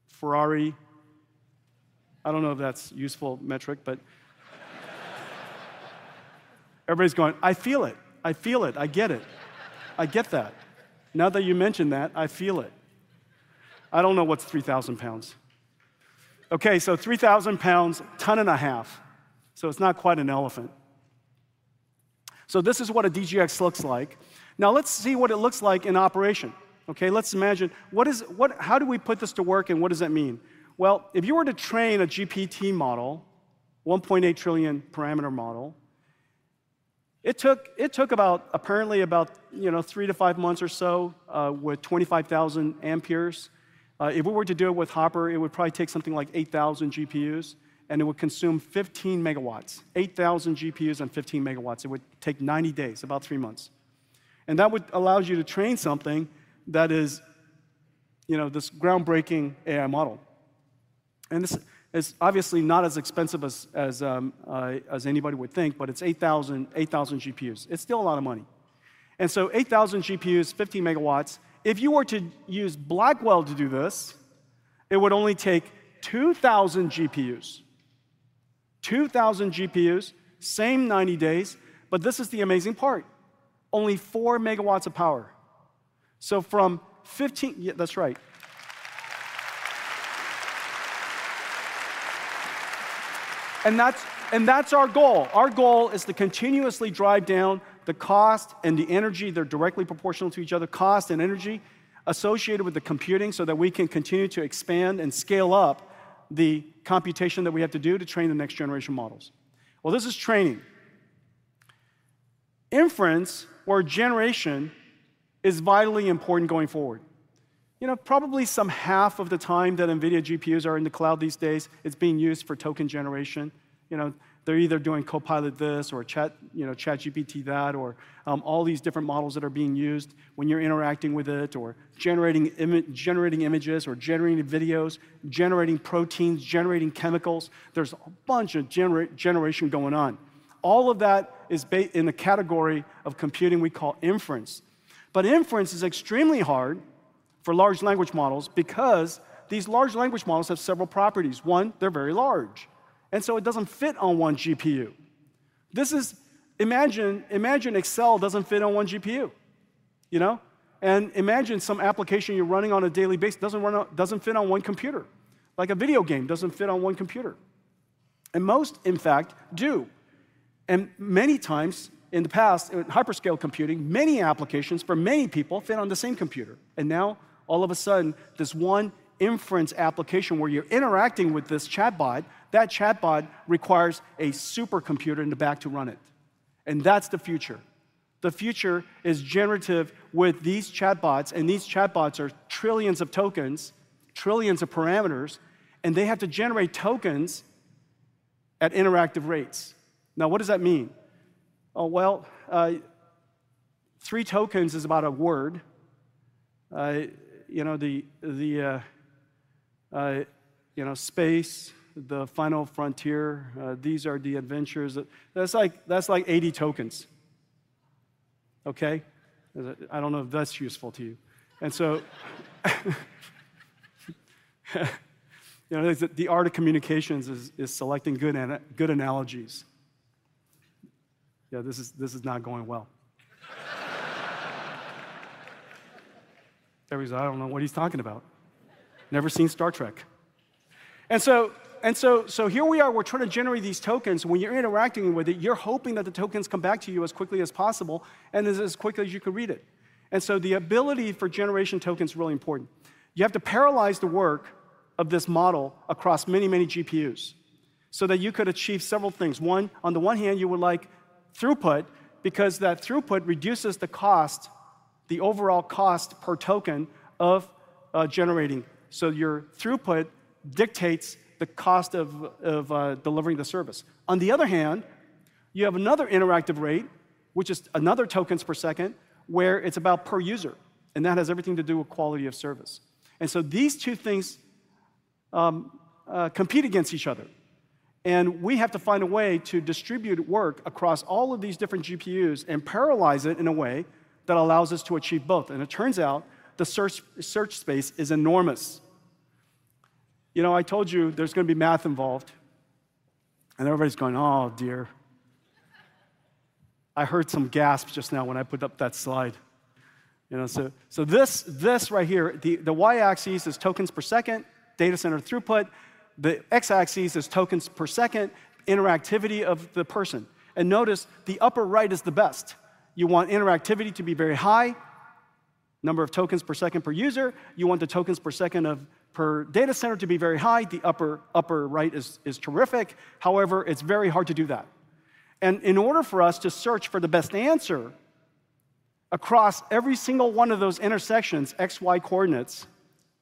Ferrari. I don't know if that's useful metric, but. Everybody's going, "I feel it. I feel it. I get it." "I get that. Now that you mention that, I feel it." I don't know what's 3,000 pounds. Okay, so 3,000 pounds, 1 ton and a half, so it's not quite an elephant. So this is what a DGX looks like. Now, let's see what it looks like in operation, okay? Let's imagine, what is, what, how do we put this to work, and what does that mean? Well, if you were to train a GPT model, 1.8 trillion parameter model, it took, it took about, apparently about, you know, 3-5 months or so, with 25,000 Amperes. If we were to do it with Hopper, it would probably take something like 8,000 GPUs, and it would consume 15 megawatts. 8,000 GPUs and 15 megawatts. It would take 90 days, about 3 months. And that would allows you to train something that is, you know, this groundbreaking AI model. This is obviously not as expensive as, as, as anybody would think, but it's 8,000, 8,000 GPUs. It's still a lot of money. And so 8,000 GPUs, 15 MW. If you were to use Blackwell to do this, it would only take 2,000 GPUs. 2,000 GPUs, same 90 days, but this is the amazing part, only 4 MW of power. So from 15. Yeah, that's right. And that's, and that's our goal. Our goal is to continuously drive down the cost and the energy, they're directly proportional to each other, cost and energy associated with the computing, so that we can continue to expand and scale up the computation that we have to do to train the next generation models. Well, this is training. Inference or generation is vitally important going forward. You know, probably some half of the time that NVIDIA GPUs are in the cloud these days, it's being used for token generation. You know, they're either doing copilot this or chat, you know, ChatGPT that, or all these different models that are being used when you're interacting with it, or generating images, or generating videos, generating proteins, generating chemicals. There's a bunch of generation going on. All of that is in the category of computing we call inference. But inference is extremely hard for large language models because these large language models have several properties. One, they're very large, and so it doesn't fit on one GPU. This is, imagine, imagine Excel doesn't fit on one GPU, you know? And imagine some application you're running on a daily basis doesn't run on, doesn't fit on one computer, like a video game doesn't fit on one computer. And most, in fact, do. And many times in the past, in hyperscale computing, many applications for many people fit on the same computer. And now, all of a sudden, this one inference application where you're interacting with this chatbot, that chatbot requires a supercomputer in the back to run it, and that's the future. The future is generative with these chatbots, and these chatbots are trillions of tokens, trillions of parameters, and they have to generate tokens at interactive rates. Now, what does that mean? Oh, well, 3 tokens is about a word. I, you know, the, you know, space, the final frontier, these are the adventures. That's like, that's like 80 tokens, okay? I don't know if that's useful to you. And so, you know, the art of communications is selecting good analogies. Yeah, this is not going well. Everybody's, "I don't know what he's talking about. Never seen Star Trek." And so, here we are, we're trying to generate these tokens. When you're interacting with it, you're hoping that the tokens come back to you as quickly as possible, and as quickly as you can read it. And so the ability for generation tokens is really important. You have to parallelize the work of this model across many, many GPUs, so that you could achieve several things. One, on the one hand, you would like throughput, because that throughput reduces the cost, the overall cost per token of generating. So your throughput dictates the cost of delivering the service. On the other hand, you have another interactive rate, which is another tokens per second, where it's about per user, and that has everything to do with quality of service. And so these two things compete against each other, and we have to find a way to distribute work across all of these different GPUs and paralyze it in a way that allows us to achieve both. And it turns out the search space is enormous. You know, I told you there's gonna be math involved, and everybody's going, "Oh, dear!" I heard some gasps just now when I put up that slide, you know. So this right here, the y-axis is tokens per second, data center throughput. The x-axis is tokens per second, interactivity of the person. And notice, the upper right is the best. You want interactivity to be very high, number of tokens per second per user. You want the tokens per second of per data center to be very high. The upper right is terrific. However, it's very hard to do that. And in order for us to search for the best answer across every single one of those intersections, x, y coordinates,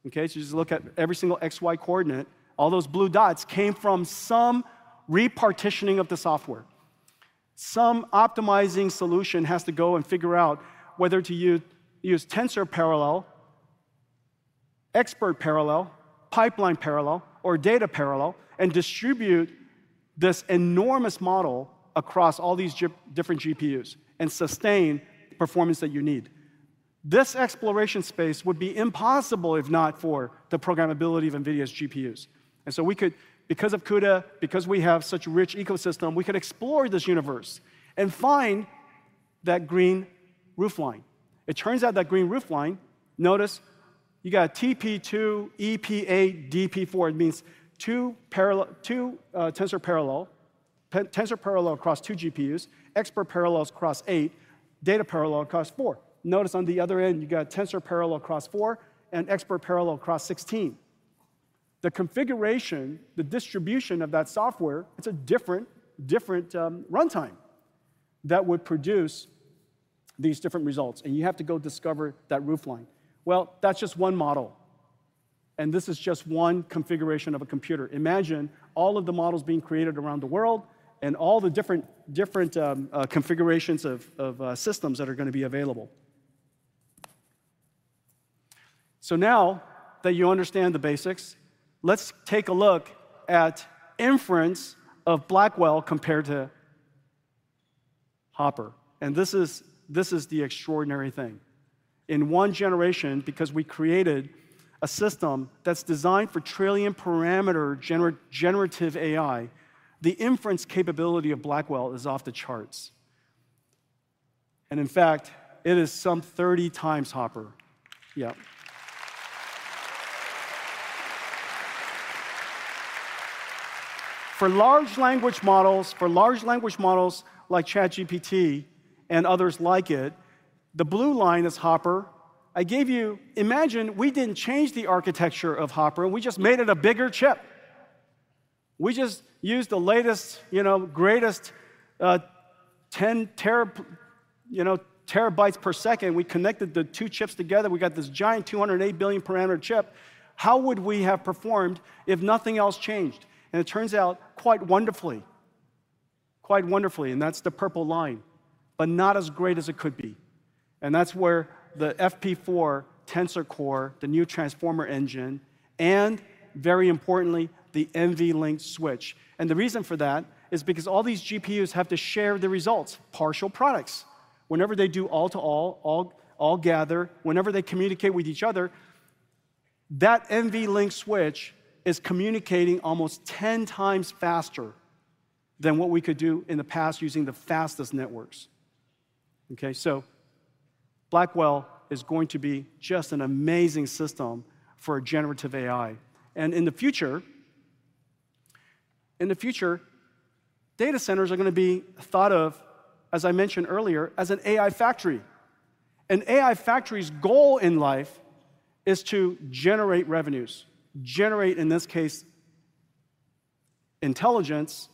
okay? So you just look at every single x, y coordinate, all those blue dots came from some repartitioning of the software. Some optimizing solution has to go and figure out whether to use tensor parallel, expert parallel, pipeline parallel, or data parallel, and distribute this enormous model across all these different GPUs, and sustain the performance that you need. This exploration space would be impossible if not for the programmability of NVIDIA's GPUs. We could, because of CUDA, because we have such a rich ecosystem, we can explore this universe and find that Green roofline. It turns out that Green roofline, notice you got TP 2, EP 8, DP 4. It means two parallel, two tensor parallel, tensor parallel across 2 GPUs, expert parallels across 8, data parallel across 4. Notice on the other end, you got tensor parallel across 4 and expert parallel across 16. The configuration, the distribution of that software, it's a different, different, runtime that would produce these different results, and you have to go discover that roofline. Well, that's just one model, and this is just one configuration of a computer. Imagine all of the models being created around the world, and all the different, different, configurations of systems that are gonna be available. So now that you understand the basics, let's take a look at inference of Blackwell compared to Hopper, and this is, this is the extraordinary thing. In one generation, because we created a system that's designed for trillion-parameter generative AI, the inference capability of Blackwell is off the charts, and in fact, it is some 30 times Hopper. Yeah. For large language models, for large language models like ChatGPT and others like it, the blue line is Hopper. I gave you. Imagine we didn't change the architecture of Hopper, and we just made it a bigger chip. We just used the latest, you know, greatest, 10 TB/s. We connected the two chips together, we got this giant 208 billion parameter chip. How would we have performed if nothing else changed? And it turns out, quite wonderfully. Quite wonderfully, and that's the purple line, but not as great as it could be. That's where the FP4 Tensor Core, the new Transformer Engine, and very importantly, the NVLink switch. The reason for that is because all these GPUs have to share the results, partial products. Whenever they do all to all, all, all gather, whenever they communicate with each other, that NVLink switch is communicating almost 10 times faster than what we could do in the past using the fastest networks. Okay, so Blackwell is going to be just an amazing system for generative AI. In the future, in the future, data centers are gonna be thought of, as I mentioned earlier, as an AI factory. An AI factory's goal in life is to generate revenues, generate, in this case, intelligence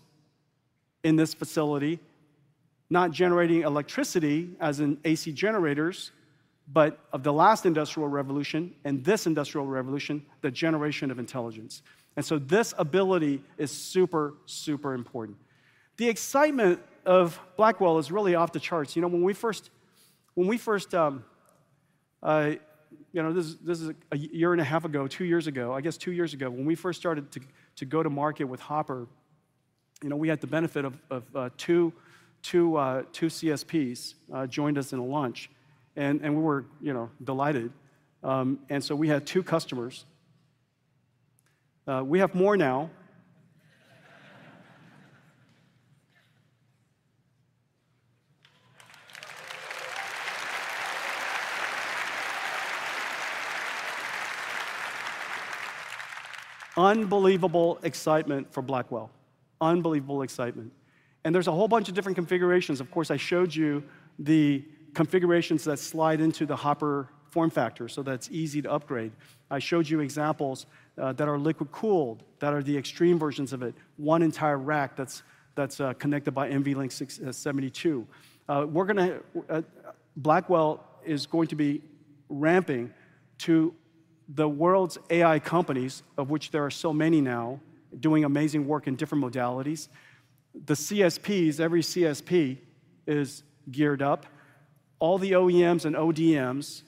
in this facility, not generating electricity as in AC generators, but of the last industrial revolution and this industrial revolution, the generation of intelligence. And so this ability is super, super important. The excitement of Blackwell is really off the charts. You know, when we first started to go to market with Hopper, you know, we had the benefit of 2 CSPs joined us in a launch. And we were, you know, delighted. And so we had 2 customers. We have more now. Unbelievable excitement for Blackwell. Unbelievable excitement. There's a whole bunch of different configurations. Of course, I showed you the configurations that slide into the Hopper form factor, so that's easy to upgrade. I showed you examples that are liquid-cooled, that are the extreme versions of it, one entire rack that's connected by NVLink 6 and 72. Blackwell is going to be ramping to the world's AI companies, of which there are so many now, doing amazing work in different modalities. The CSPs, every CSP is geared up. All the OEMs and ODMs,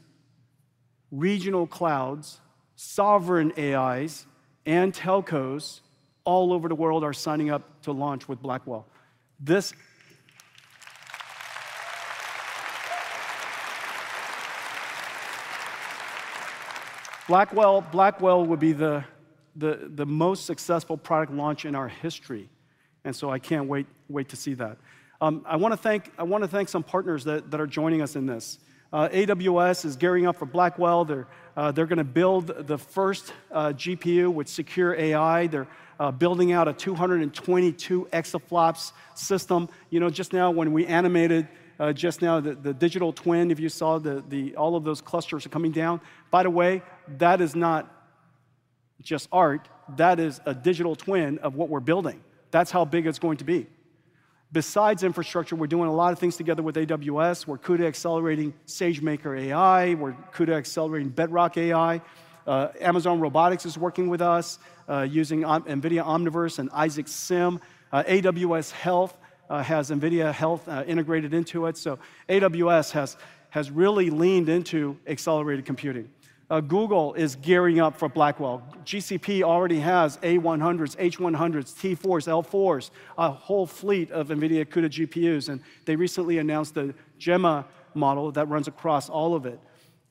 regional clouds, sovereign AIs, and telcos all over the world are signing up to launch with Blackwell. Blackwell, Blackwell will be the most successful product launch in our history, and so I can't wait to see that. I wanna thank some partners that are joining us in this. AWS is gearing up for Blackwell. They're gonna build the first GPU with secure AI. They're building out a 222 exaflops system. You know, just now when we animated, just now, the digital twin, if you saw the-- all of those clusters are coming down. By the way, that is not just art. That is a digital twin of what we're building. That's how big it's going to be. Besides infrastructure, we're doing a lot of things together with AWS. We're CUDA accelerating SageMaker AI. We're CUDA accelerating Bedrock AI. Amazon Robotics is working with us, using NVIDIA Omniverse and Isaac Sim. AWS Health has NVIDIA Health integrated into it. AWS has, has really leaned into accelerated computing. Google is gearing up for Blackwell. GCP already has A100s, H100s, T4s, L4s, a whole fleet of NVIDIA CUDA GPUs, and they recently announced the Gemma model that runs across all of it.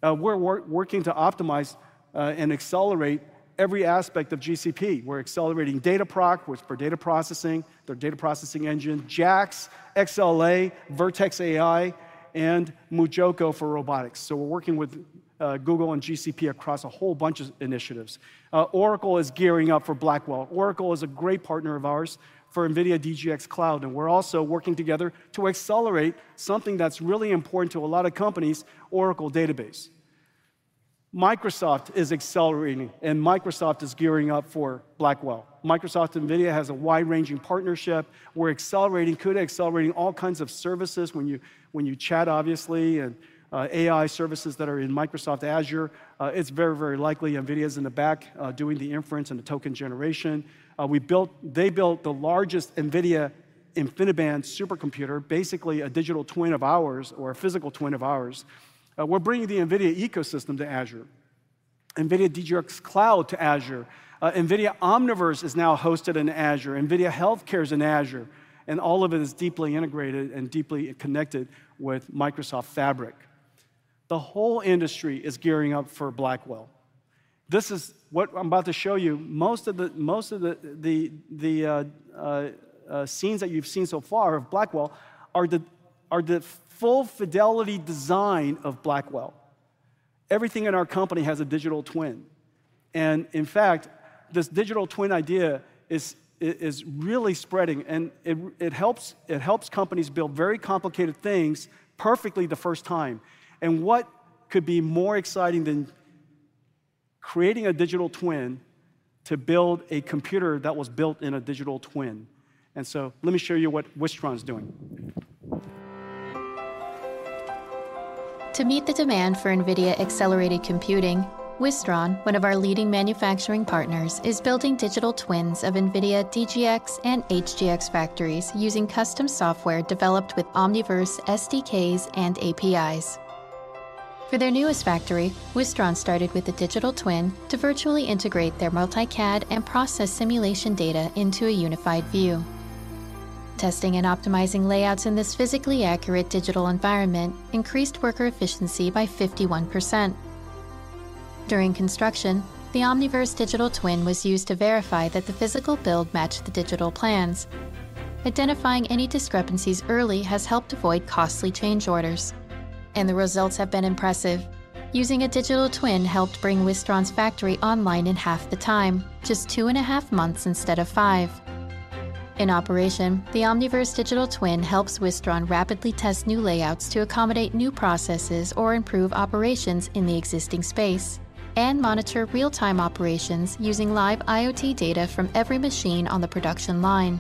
We're working to optimize and accelerate every aspect of GCP. We're accelerating Dataproc, which for data processing, their data processing engine, JAX, XLA, Vertex AI, and MuJoCo for robotics. So we're working with Google and GCP across a whole bunch of initiatives. Oracle is gearing up for Blackwell. Oracle is a great partner of ours for NVIDIA DGX Cloud, and we're also working together to accelerate something that's really important to a lot of companies, Oracle Database. Microsoft is accelerating, and Microsoft is gearing up for Blackwell. Microsoft and NVIDIA has a wide-ranging partnership. We're accelerating, CUDA accelerating all kinds of services. When you chat, obviously, and AI services that are in Microsoft Azure, it's very, very likely NVIDIA's in the back, doing the inference and the token generation. They built the largest NVIDIA InfiniBand supercomputer, basically a digital twin of ours or a physical twin of ours. We're bringing the NVIDIA ecosystem to Azure, NVIDIA DGX Cloud to Azure. NVIDIA Omniverse is now hosted in Azure. NVIDIA Healthcare is in Azure, and all of it is deeply integrated and deeply connected with Microsoft Fabric. The whole industry is gearing up for Blackwell. This is what I'm about to show you. Most of the scenes that you've seen so far of Blackwell are the full fidelity design of Blackwell. Everything in our company has a digital twin, and in fact, this digital twin idea is really spreading, and it helps companies build very complicated things perfectly the first time. What could be more exciting than creating a digital twin to build a computer that was built in a digital twin? So let me show you what Wistron is doing. To meet the demand for NVIDIA-accelerated computing, Wistron, one of our leading manufacturing partners, is building digital twins of NVIDIA DGX and HGX factories using custom software developed with Omniverse SDKs and APIs. For their newest factory, Wistron started with a digital twin to virtually integrate their multi-CAD and process simulation data into a unified view. Testing and optimizing layouts in this physically accurate digital environment increased worker efficiency by 51%. During construction, the Omniverse digital twin was used to verify that the physical build matched the digital plans. Identifying any discrepancies early has helped avoid costly change orders, and the results have been impressive. Using a digital twin helped bring Wistron's factory online in half the time, just 2.5 months instead of 5. In operation, the Omniverse digital twin helps Wistron rapidly test new layouts to accommodate new processes or improve operations in the existing space, and monitor real-time operations using live IoT data from every machine on the production line,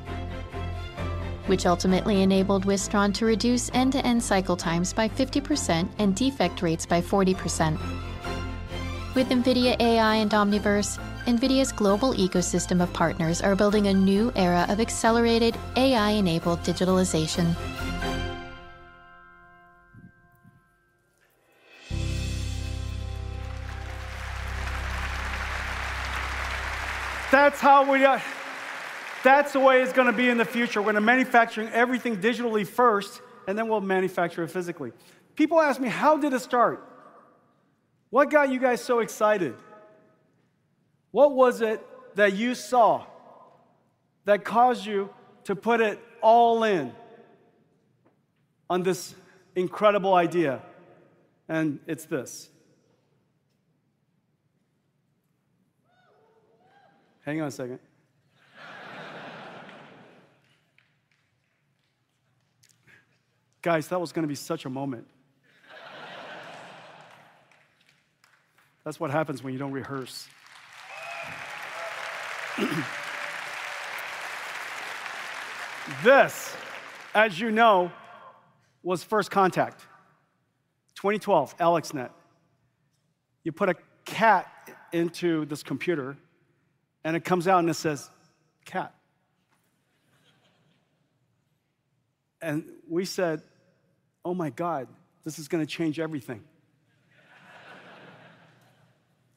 which ultimately enabled Wistron to reduce end-to-end cycle times by 50% and defect rates by 40%. With NVIDIA AI and Omniverse, NVIDIA's global ecosystem of partners are building a new era of accelerated, AI-enabled digitalization. That's how we. That's the way it's gonna be in the future. We're gonna manufacturing everything digitally first, and then we'll manufacture it physically. People ask me, "How did it start? What got you guys so excited? What was it that you saw that caused you to put it all in on this incredible idea?" And it's this. Hang on a second. Guys, that was gonna be such a moment. That's what happens when you don't rehearse. This, as you know, was first contact. 2012, AlexNet. You put a cat into this computer, and it comes out, and it says, "Cat." And we said, "Oh, my God, this is gonna change everything."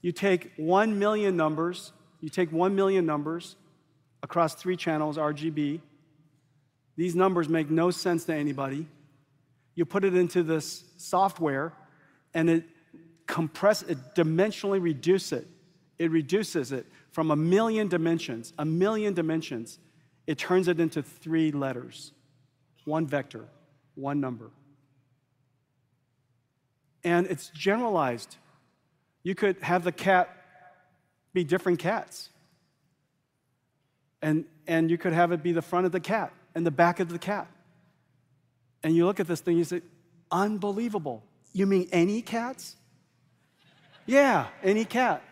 You take 1 million numbers, you take 1 million numbers across 3 channels, RGB. These numbers make no sense to anybody. You put it into this software, and it dimensionally reduce it. It reduces it from 1 million dimensions, 1 million dimensions; it turns it into three letters, one vector, one number. And it's generalized. You could have the cat be different cats, and, and you could have it be the front of the cat and the back of the cat. And you look at this thing, you say, "Unbelievable! You mean any cats?" Yeah, any cat.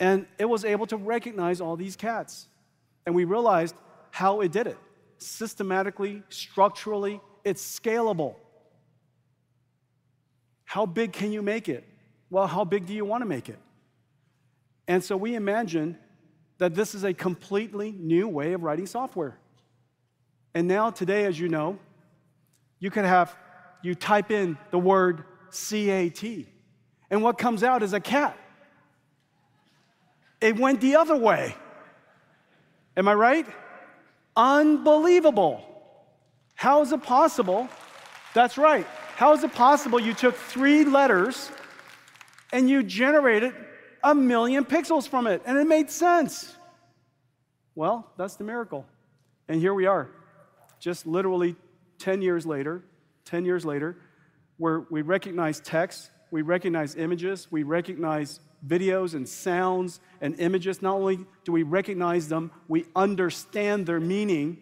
And it was able to recognize all these cats, and we realized how it did it. Systematically, structurally, it's scalable. How big can you make it? Well, how big do you wanna make it? And so we imagine that this is a completely new way of writing software. And now, today, as you know, you can have. You type in the word C-A-T, and what comes out is a cat. It went the other way! Am I right? Unbelievable. How is it possible? That's right. How is it possible you took 3 letters, and you generated 1 million pixels from it, and it made sense? Well, that's the miracle. And here we are, just literally 10 years later, 10 years later, we recognize text, we recognize images, we recognize videos, and sounds, and images. Not only do we recognize them, we understand their meaning.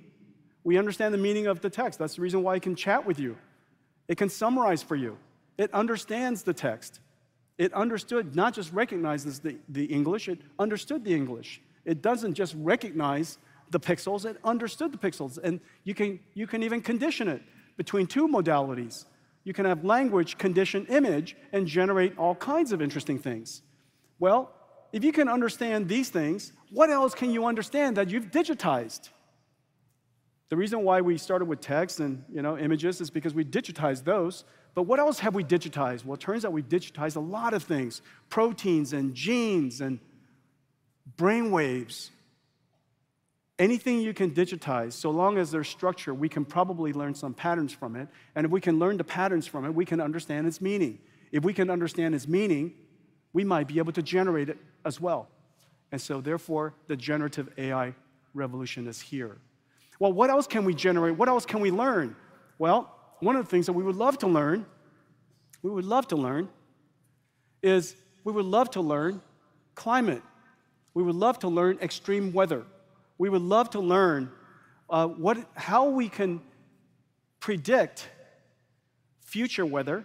We understand the meaning of the text. That's the reason why it can chat with you. It can summarize for you. It understands the text. It understood, not just recognizes the English, it understood the English. It doesn't just recognize the pixels, it understood the pixels, and you can even condition it between two modalities. You can have language condition image and generate all kinds of interesting things. Well, if you can understand these things, what else can you understand that you've digitized? The reason why we started with text and, you know, images is because we digitized those, but what else have we digitized? Well, it turns out we've digitized a lot of things, proteins, and genes, and brainwaves. Anything you can digitize, so long as there's structure, we can probably learn some patterns from it, and if we can learn the patterns from it, we can understand its meaning. If we can understand its meaning, we might be able to generate it as well, and so therefore, the generative AI revolution is here. Well, what else can we generate? What else can we learn? Well, one of the things that we would love to learn, we would love to learn, is we would love to learn climate. We would love to learn extreme weather. We would love to learn how we can predict future weather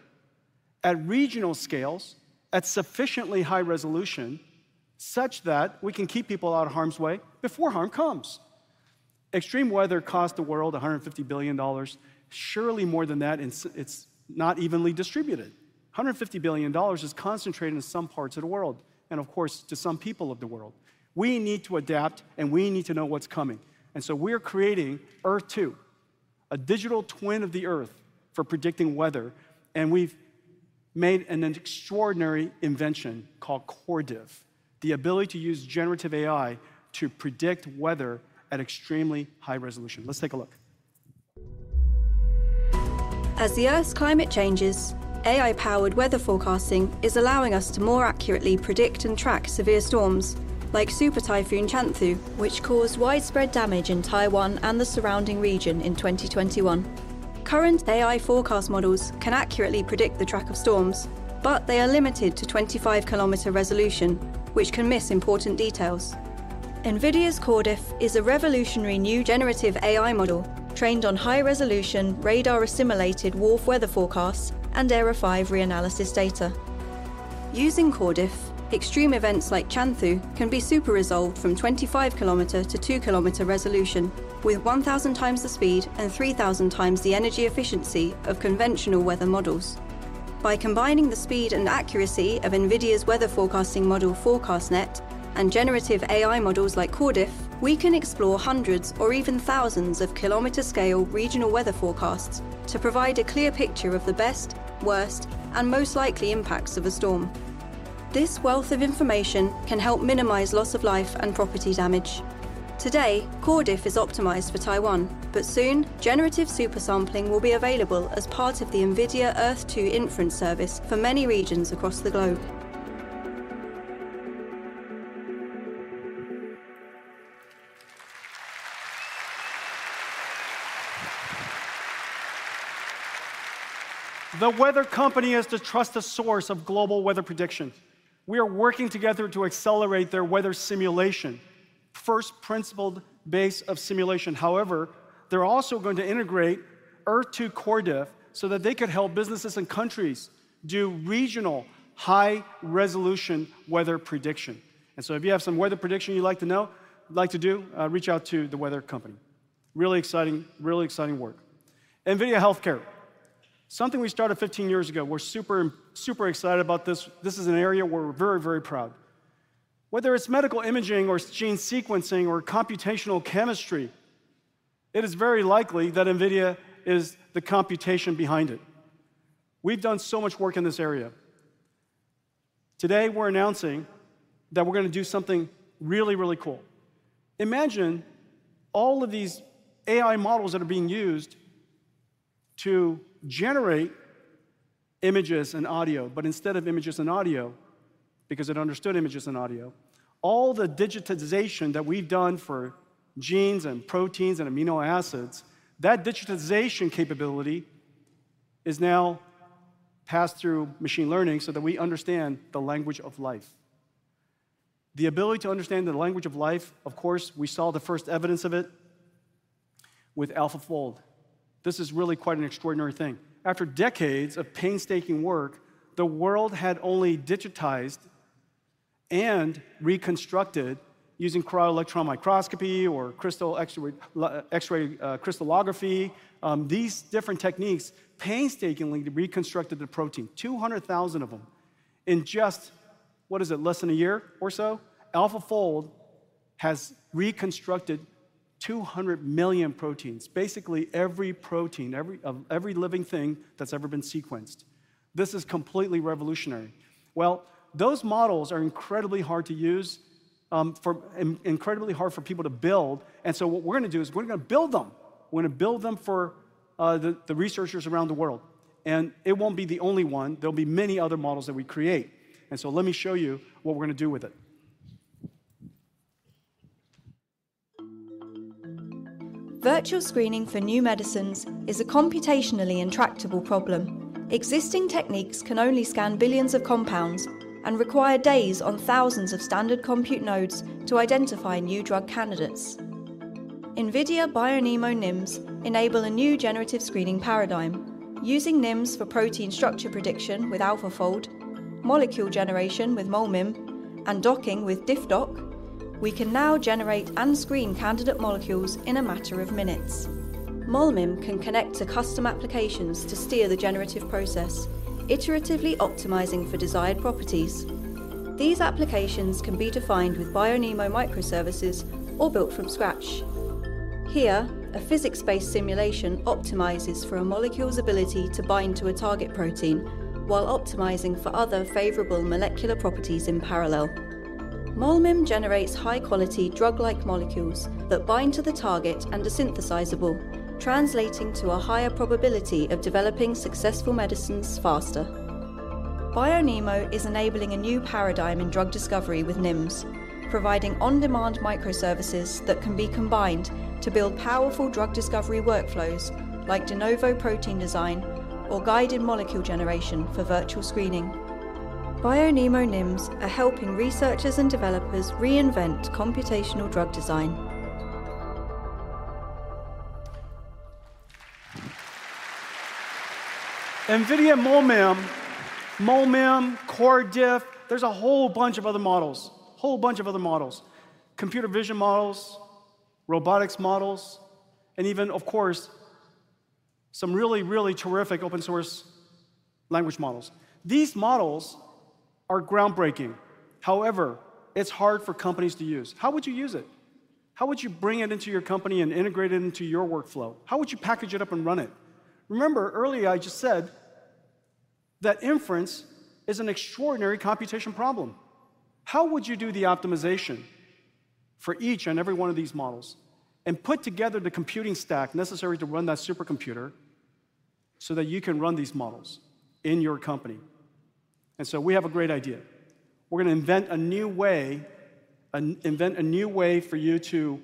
at regional scales, at sufficiently high resolution, such that we can keep people out of harm's way before harm comes. Extreme weather costs the world $150 billion. Surely more than that, and it's not evenly distributed. $150 billion is concentrated in some parts of the world, and of course, to some people of the world. We need to adapt, and we need to know what's coming, and so we're creating Earth-2, a digital twin of the Earth for predicting weather. We've made an extraordinary invention called CorrDiff, the ability to use generative AI to predict weather at extremely high resolution. Let's take a look. As the Earth's climate changes, AI-powered weather forecasting is allowing us to more accurately predict and track severe storms, like Super Typhoon Chanthu, which caused widespread damage in Taiwan and the surrounding region in 2021. Current AI forecast models can accurately predict the track of storms, but they are limited to 25-kilometer resolution, which can miss important details. NVIDIA's CorrDiff is a revolutionary new generative AI model, trained on high-resolution radar-assimilated WRF weather forecasts and ERA5 reanalysis data. Using CorrDiff, extreme events like Chanthu can be super resolved from 25-kilometer to 2-kilometer resolution, with 1000 times the speed and 3000 times the energy efficiency of conventional weather models. By combining the speed and accuracy of NVIDIA's weather forecasting model, FourCastNet, and generative AI models like CorrDiff, we can explore hundreds or even thousands of kilometer-scale regional weather forecasts to provide a clear picture of the best, worst, and most likely impacts of a storm. This wealth of information can help minimize loss of life and property damage. Today, CorrDiff is optimized for Taiwan, but soon, generative super sampling will be available as part of the NVIDIA Earth-2 inference service for many regions across the globe. The Weather Company is the trusted source of global weather prediction. We are working together to accelerate their weather simulation, first-principles-based of simulation. However, they're also going to integrate Earth-2 CorrDiff so that they could help businesses and countries do regional high-resolution weather prediction. And so if you have some weather prediction you'd like to know, like to do, reach out to The Weather Company. Really exciting, really exciting work. NVIDIA Healthcare, something we started 15 years ago. We're super, super excited about this. This is an area where we're very, very proud. Whether it's medical imaging or gene sequencing or computational chemistry, it is very likely that NVIDIA is the computation behind it. We've done so much work in this area. Today, we're announcing that we're gonna do something really, really cool. Imagine all of these AI models that are being used to generate images and audio, but instead of images and audio, because it understood images and audio, all the digitization that we've done for genes and proteins and amino acids, that digitization capability is now passed through machine learning so that we understand the language of life. The ability to understand the language of life, of course, we saw the first evidence of it with AlphaFold. This is really quite an extraordinary thing. After decades of painstaking work, the world had only digitized and reconstructed using cryo-electron microscopy or crystal X-ray crystallography. These different techniques painstakingly reconstructed the protein, 200,000 of them. In just, what is it, less than a year or so? AlphaFold has reconstructed 200 million proteins, basically every protein, every- of every living thing that's ever been sequenced. This is completely revolutionary. Well, those models are incredibly hard to use, incredibly hard for people to build, and so what we're gonna do is we're gonna build them. We're gonna build them for the researchers around the world, and it won't be the only one. There'll be many other models that we create, and so let me show you what we're gonna do with it. Virtual screening for new medicines is a computationally intractable problem. Existing techniques can only scan billions of compounds and require days on thousands of standard compute nodes to identify new drug candidates. NVIDIA BioNeMo NIMs enable a new generative screening paradigm. Using NIMs for protein structure prediction with AlphaFold, molecule generation with MolMIM, and docking with DiffDock, we can now generate and screen candidate molecules in a matter of minutes. MolMIM can connect to custom applications to steer the generative process, iteratively optimizing for desired properties. These applications can be defined with BioNeMo microservices or built from scratch. Here, a physics-based simulation optimizes for a molecule's ability to bind to a target protein while optimizing for other favorable molecular properties in parallel. MolMIM generates high-quality drug-like molecules that bind to the target and are synthesizable, translating to a higher probability of developing successful medicines faster. BioNeMo is enabling a new paradigm in drug discovery with NIMs, providing on-demand microservices that can be combined to build powerful drug discovery workflows like de novo protein design or guided molecule generation for virtual screening. BioNeMo NIMs are helping researchers and developers reinvent computational drug design. NVIDIA MolMIM, MolMIM, CorrDiff, there's a whole bunch of other models, whole bunch of other models, computer vision models, robotics models, and even, of course, some really, really terrific open source language models. These models are groundbreaking. However, it's hard for companies to use. How would you use it? How would you bring it into your company and integrate it into your workflow? How would you package it up and run it? Remember earlier, I just said that inference is an extraordinary computation problem. How would you do the optimization for each and every one of these models, and put together the computing stack necessary to run that supercomputer so that you can run these models in your company? And so we have a great idea. We're gonna invent a new way, invent a new way for you to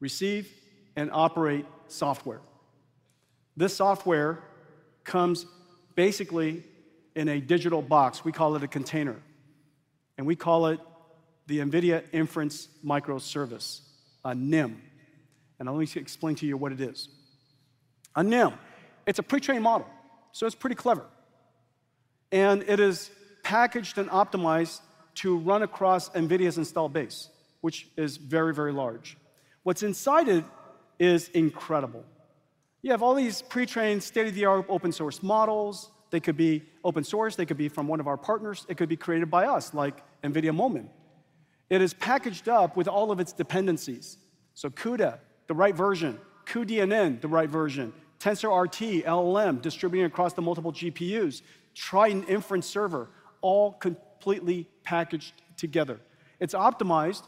receive and operate software. This software comes basically in a digital box. We call it a container and we call it the NVIDIA Inference Microservice, a NIM. Let me explain to you what it is. A NIM, it's a pre-trained model, so it's pretty clever, and it is packaged and optimized to run across NVIDIA's install base, which is very, very large. What's inside it is incredible. You have all these pre-trained, state-of-the-art open source models. They could be open source, they could be from one of our partners, it could be created by us, like NVIDIA NeMo. It is packaged up with all of its dependencies. CUDA, the right version; cuDNN, the right version; TensorRT-LLM, distributed across the multiple GPUs, Triton Inference Server, all completely packaged together. It's optimized,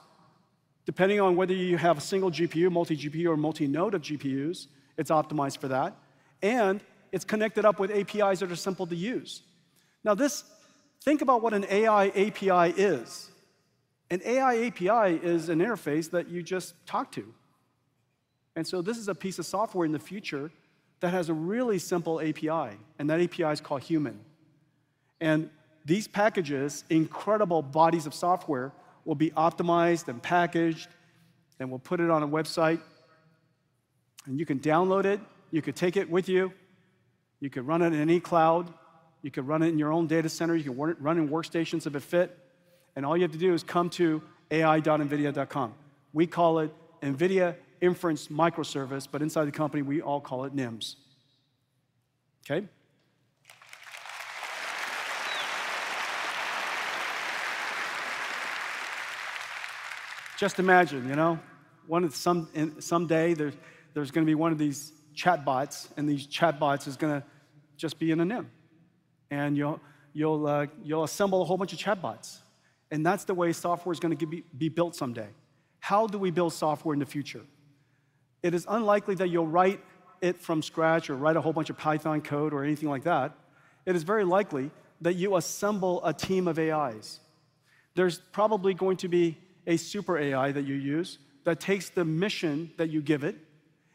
depending on whether you have a single GPU, multi-GPU, or multi-node of GPUs, it's optimized for that, and it's connected up with APIs that are simple to use. Now, this. Think about what an AI API is. An AI API is an interface that you just talk to. And so this is a piece of software in the future that has a really simple API, and that API is called human. And these packages, incredible bodies of software, will be optimized and packaged, and we'll put it on a website, and you can download it, you can take it with you, you can run it in any cloud, you can run it in your own data center, you can run it, run it in workstations if it fit, and all you have to do is come to ai.nvidia.com. We call it NVIDIA Inference Microservice, but inside the company, we all call it NIMs. Okay? Just imagine, you know, someday there, there's gonna be one of these chatbots, and these chatbots is gonna just be in a NIM. And you'll assemble a whole bunch of chatbots, and that's the way software is gonna be built someday. How do we build software in the future? It is unlikely that you'll write it from scratch or write a whole bunch of Python code or anything like that. It is very likely that you assemble a team of AIs. There's probably going to be a super AI that you use that takes the mission that you give it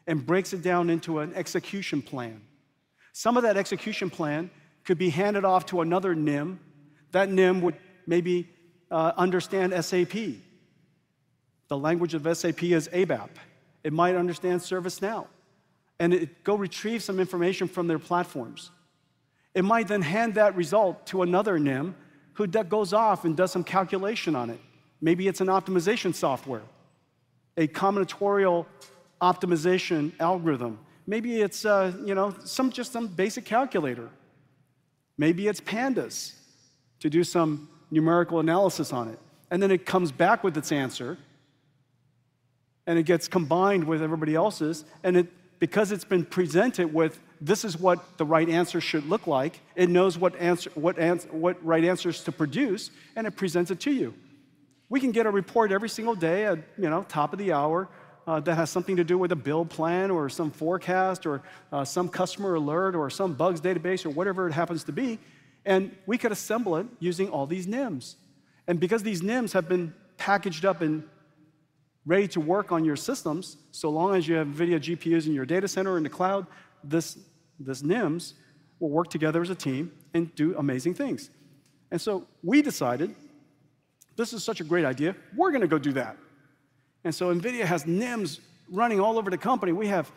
and breaks it down into an execution plan. Some of that execution plan could be handed off to another NIM. That NIM would maybe understand SAP. The language of SAP is ABAP. It might understand ServiceNow, and it go retrieve some information from their platforms. It might then hand that result to another NIM, who that goes off and does some calculation on it. Maybe it's an optimization software, a combinatorial optimization algorithm. Maybe it's, you know, some, just some basic calculator. Maybe it's Pandas to do some numerical analysis on it, and then it comes back with its answer, and it gets combined with everybody else's, and it because it's been presented with, "This is what the right answer should look like," it knows what answer, what ans- what right answers to produce, and it presents it to you. We can get a report every single day at, you know, top of the hour, that has something to do with a build plan or some forecast or, some customer alert or some bugs database or whatever it happens to be, and we could assemble it using all these NIMs. And because these NIMs have been packaged up and ready to work on your systems, so long as you have NVIDIA GPUs in your data center or in the cloud, these NIMs will work together as a team and do amazing things. And so we decided this is such a great idea, we're gonna go do that. And so NVIDIA has NIMs running all over the company. We have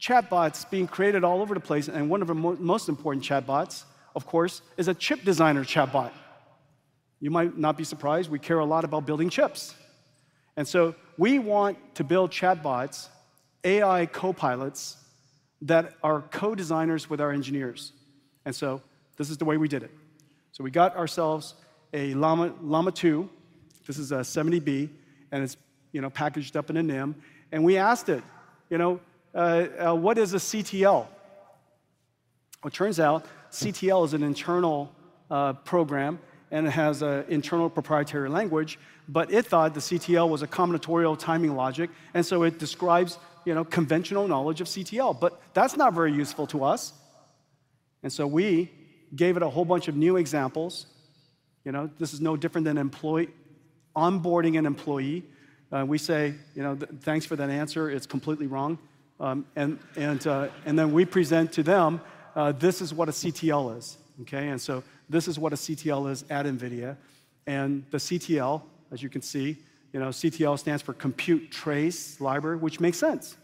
chatbots being created all over the place, and one of our most important chatbots, of course, is a chip designer chatbot. You might not be surprised. We care a lot about building chips. We want to build chatbots, AI copilots, that are co-designers with our engineers, and this is the way we did it. We got ourselves a Llama 2. This is a 70B, and it's, you know, packaged up in a NIM. We asked it, you know: "What is a CTL?" It turns out CTL is an internal program, and it has an internal proprietary language, but it thought the CTL was a combinatorial timing logic, and so it describes, you know, conventional knowledge of CTL. But that's not very useful to us, and we gave it a whole bunch of new examples. You know, this is no different than employee onboarding an employee. We say, you know, "Thanks for that answer. It's completely wrong." And then we present to them, "This is what a CTL is," okay? And so this is what a CTL is at NVIDIA, and the CTL, as you can see, you know, CTL stands for Compute Trace Library, which makes sense.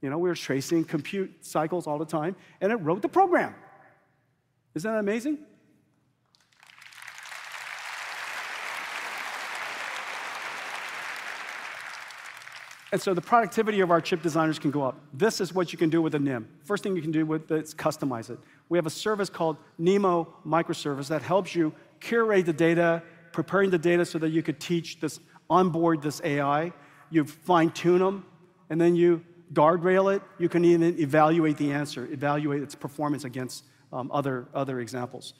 You know, we're tracing compute cycles all the time, and it wrote the program. Isn't that amazing? And so the productivity of our chip designers can go up. This is what you can do with a NIM. First thing you can do with it is customize it. We have a service called NeMo Microservice that helps you curate the data, preparing the data so that you could teach this, onboard this AI. You fine-tune them, and then you guardrail it. You can even evaluate the answer, evaluate its performance against other examples.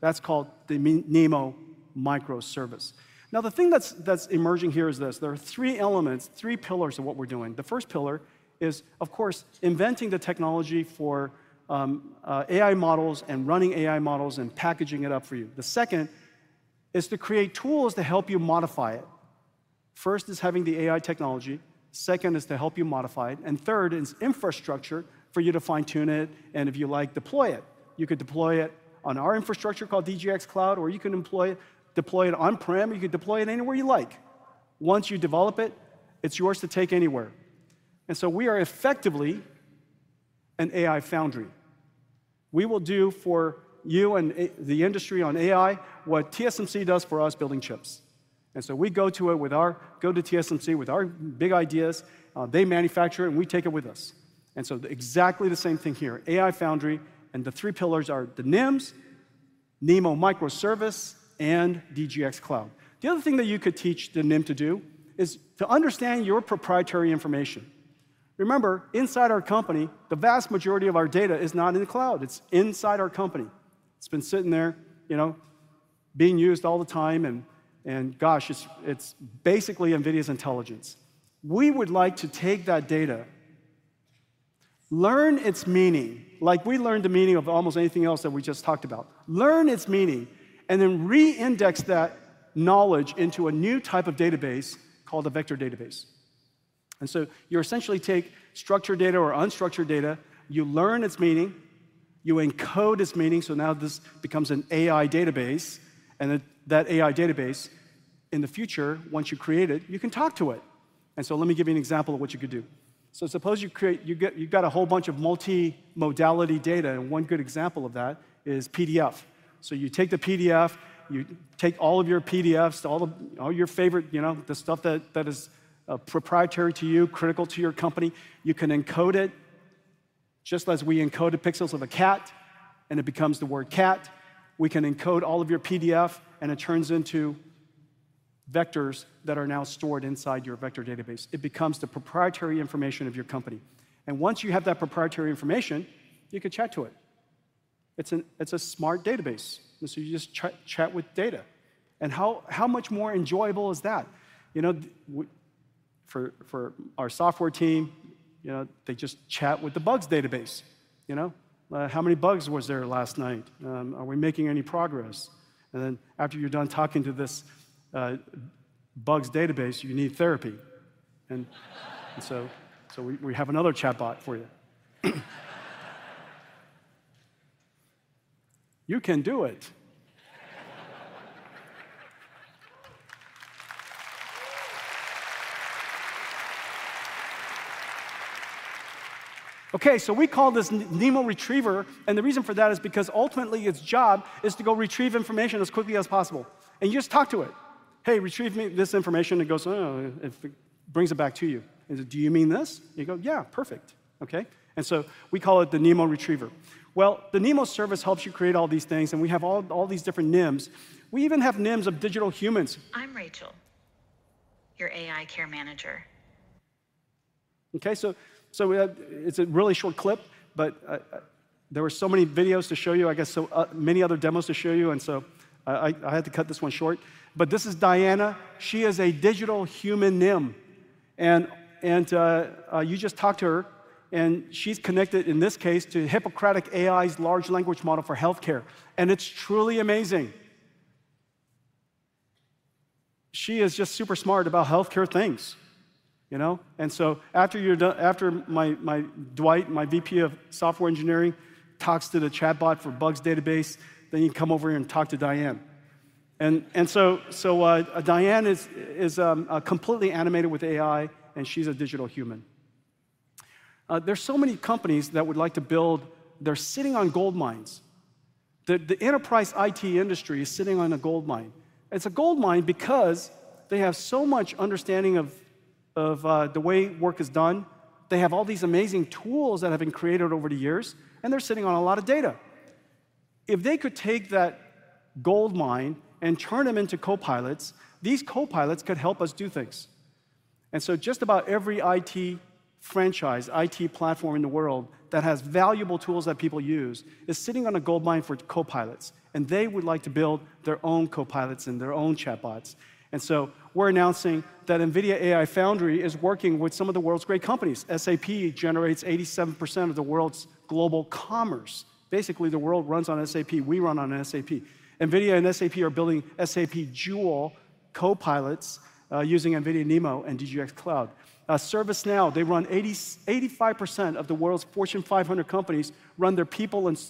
That's called the NeMo Microservice. Now, the thing that's emerging here is this: there are three elements, three pillars of what we're doing. The first pillar is, of course, inventing the technology for AI models and running AI models and packaging it up for you. The second is to create tools to help you modify it. First is having the AI technology, second is to help you modify it, and third is infrastructure for you to fine-tune it, and if you like, deploy it. You could deploy it on our infrastructure called DGX Cloud, or you can deploy it on-prem, you could deploy it anywhere you like. Once you develop it, it's yours to take anywhere. And so we are effectively an AI foundry. We will do for you and the industry on AI, what TSMC does for us building chips. And so we go to it with our, go to TSMC with our big ideas, they manufacture it, and we take it with us. And so exactly the same thing here, AI foundry, and the three pillars are the NIMs, NeMo microservice, and DGX Cloud. The other thing that you could teach the NIM to do is to understand your proprietary information. Remember, inside our company, the vast majority of our data is not in the cloud. It's inside our company. It's been sitting there, you know, being used all the time, and gosh, it's basically NVIDIA's intelligence. We would like to take that data, learn its meaning, like we learned the meaning of almost anything else that we just talked about. Learn its meaning, and then re-index that knowledge into a new type of database called a vector database. You essentially take structured data or unstructured data, you learn its meaning, you encode its meaning, so now this becomes an AI database, and then that AI database, in the future, once you create it, you can talk to it. Let me give you an example of what you could do. Suppose you've got a whole bunch of multimodality data, and one good example of that is PDF. You take the PDF, you take all of your PDFs, all your favorite, you know, the stuff that is proprietary to you, critical to your company, you can encode it just as we encoded pixels of a cat, and it becomes the word cat. We can encode all of your PDF, and it turns into vectors that are now stored inside your vector database. It becomes the proprietary information of your company. And once you have that proprietary information, you can chat to it. It's a smart database, and so you just chat with data. And how much more enjoyable is that? You know, for our software team, you know, they just chat with the bugs database, you know? "How many bugs was there last night? Are we making any progress?" And then after you're done talking to this bugs database, you need therapy. And so we have another chatbot for you. You can do it. Okay, so we call this NeMo Retriever, and the reason for that is because ultimately, its job is to go retrieve information as quickly as possible. And you just talk to it: "Hey, retrieve me this information." It goes, "Oh," and it brings it back to you, and, "Do you mean this?" You go, "Yeah, perfect." Okay? And so we call it the NeMo Retriever. Well, the NeMo service helps you create all these things, and we have all, all these different NIMs. We even have NIMs of digital humans. I'm Rachel, your AI care manager. Okay, so it's a really short clip, but there were so many videos to show you, I guess, so many other demos to show you, and so I had to cut this one short. But this is Diana. She is a digital human NIM, and you just talk to her, and she's connected, in this case, to Hippocratic AI's large language model for healthcare, and it's truly amazing. She is just super smart about healthcare things, you know? And so after you're done, after my Dwight, my VP of software engineering, talks to the chatbot for bugs database, then you come over here and talk to Diana. And so Diana is completely animated with AI, and she's a digital human. There's so many companies that would like to build. They're sitting on gold mines. The enterprise IT industry is sitting on a gold mine. It's a gold mine because they have so much understanding of the way work is done. They have all these amazing tools that have been created over the years, and they're sitting on a lot of data. If they could take that gold mine and turn them into copilots, these copilots could help us do things. And so just about every IT franchise, IT platform in the world that has valuable tools that people use, is sitting on a gold mine for copilots, and they would like to build their own copilots and their own chatbots. And so we're announcing that NVIDIA AI Foundry is working with some of the world's great companies. SAP generates 87% of the world's global commerce. Basically, the world runs on SAP. We run on SAP. NVIDIA and SAP are building SAP Joule copilots, using NVIDIA NeMo and DGX Cloud. ServiceNow, they run 85% of the world's Fortune 500 companies run their people and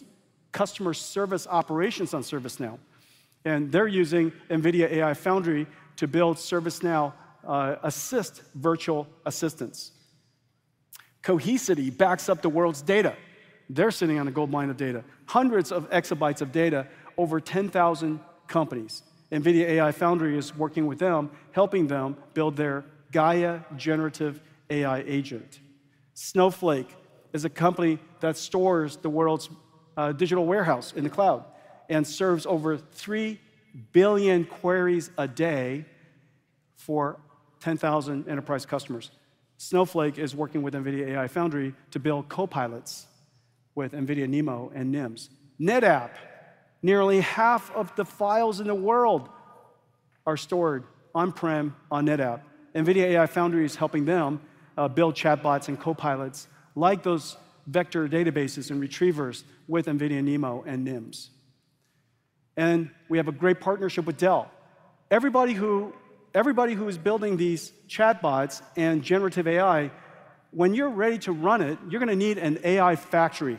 customer service operations on ServiceNow, and they're using NVIDIA AI Foundry to build ServiceNow Assist virtual assistants. Cohesity backs up the world's data. They're sitting on a gold mine of data, hundreds of exabytes of data, over 10,000 companies. NVIDIA AI Foundry is working with them, helping them build their Gaia generative AI agent. Snowflake is a company that stores the world's, digital warehouse in the cloud and serves over 3 billion queries a day for 10,000 enterprise customers. Snowflake is working with NVIDIA AI Foundry to build copilots with NVIDIA NeMo and NIMs. NetApp, nearly half of the files in the world are stored on-prem on NetApp. NVIDIA AI Foundry is helping them build chatbots and copilots, like those vector databases and retrievers, with NVIDIA NeMo and NIMs. We have a great partnership with Dell. Everybody who, everybody who is building these chatbots and generative AI, when you're ready to run it, you're gonna need an AI factory.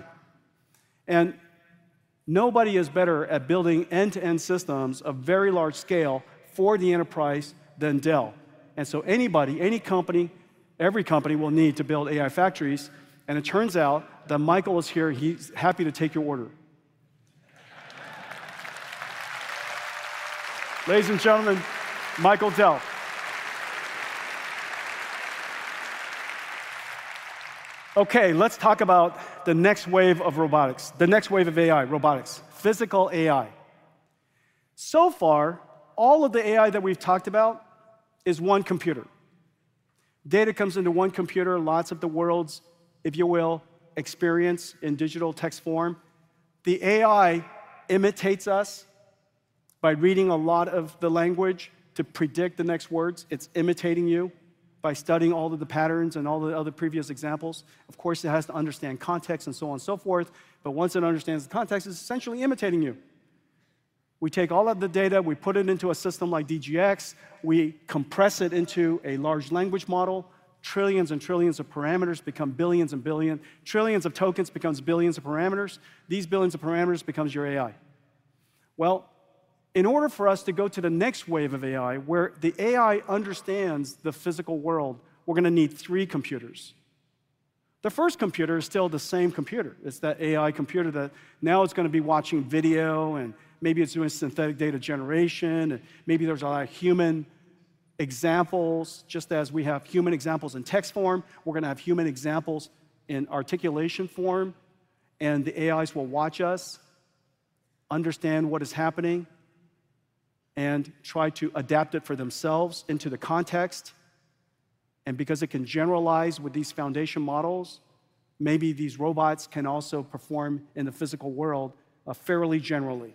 Nobody is better at building end-to-end systems of very large scale for the enterprise than Dell. Anybody, any company, every company will need to build AI factories, and it turns out that Michael is here, he's happy to take your order. Ladies and gentlemen, Michael Dell. Okay, let's talk about the next wave of robotics, the next wave of AI, robotics, physical AI. So far, all of the AI that we've talked about is one computer. Data comes into one computer, lots of the world's, if you will, experience in digital text form. The AI imitates us by reading a lot of the language to predict the next words. It's imitating you by studying all of the patterns and all the other previous examples. Of course, it has to understand context, and so on and so forth, but once it understands the context, it's essentially imitating you. We take all of the data, we put it into a system like DGX, we compress it into a large language model. Trillions and trillions of parameters become billions and billion. Trillions of tokens becomes billions of parameters. These billions of parameters becomes your AI. Well, in order for us to go to the next wave of AI, where the AI understands the physical world, we're gonna need three computers. The first computer is still the same computer. It's that AI computer that now it's gonna be watching video, and maybe it's doing synthetic data generation, and maybe there's a lot of human examples. Just as we have human examples in text form, we're gonna have human examples in articulation form, and the AIs will watch us understand what is happening and try to adapt it for themselves into the context. And because it can generalize with these foundation models, maybe these robots can also perform in the physical world fairly generally.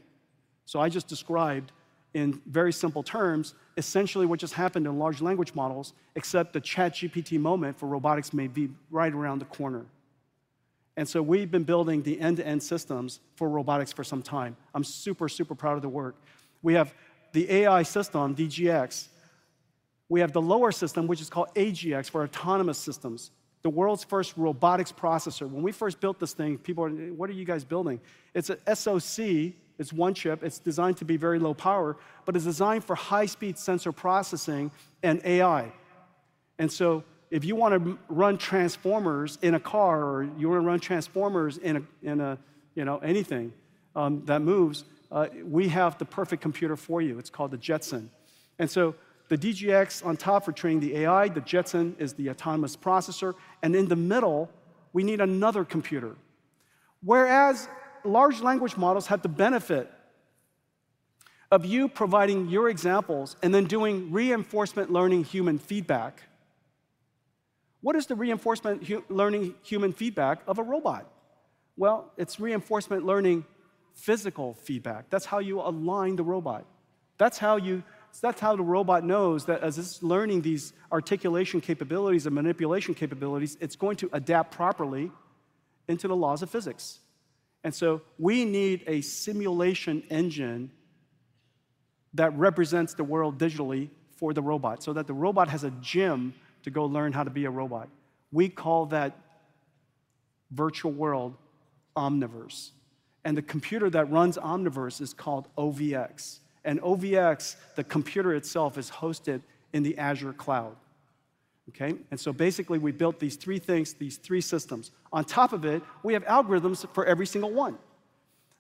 So I just described, in very simple terms, essentially what just happened in large language models, except the ChatGPT moment for robotics may be right around the corner. And so we've been building the end-to-end systems for robotics for some time. I'm super, super proud of the work. We have the AI system, DGX. We have the lower system, which is called AGX, for autonomous systems, the world's first robotics processor. When we first built this thing, people were, "What are you guys building?" It's a SoC, it's one chip. It's designed to be very low power, but it's designed for high-speed sensor processing and AI. And so if you wanna run transformers in a car, or you wanna run transformers in a, you know, anything that moves, we have the perfect computer for you. It's called the Jetson. And so the DGX on top for training the AI, the Jetson is the autonomous processor, and in the middle, we need another computer. Whereas large language models have the benefit of you providing your examples and then doing reinforcement learning human feedback, what is the reinforcement learning human feedback of a robot? Well, it's reinforcement learning physical feedback. That's how you align the robot. That's how you, that's how the robot knows that as it's learning these articulation capabilities and manipulation capabilities, it's going to adapt properly into the laws of physics. And so we need a simulation engine that represents the world digitally for the robot, so that the robot has a gym to go learn how to be a robot. We call that virtual world Omniverse, and the computer that runs Omniverse is called OVX. And OVX, the computer itself, is hosted in the Azure cloud, okay? And so basically, we built these three things, these three systems. On top of it, we have algorithms for every single one.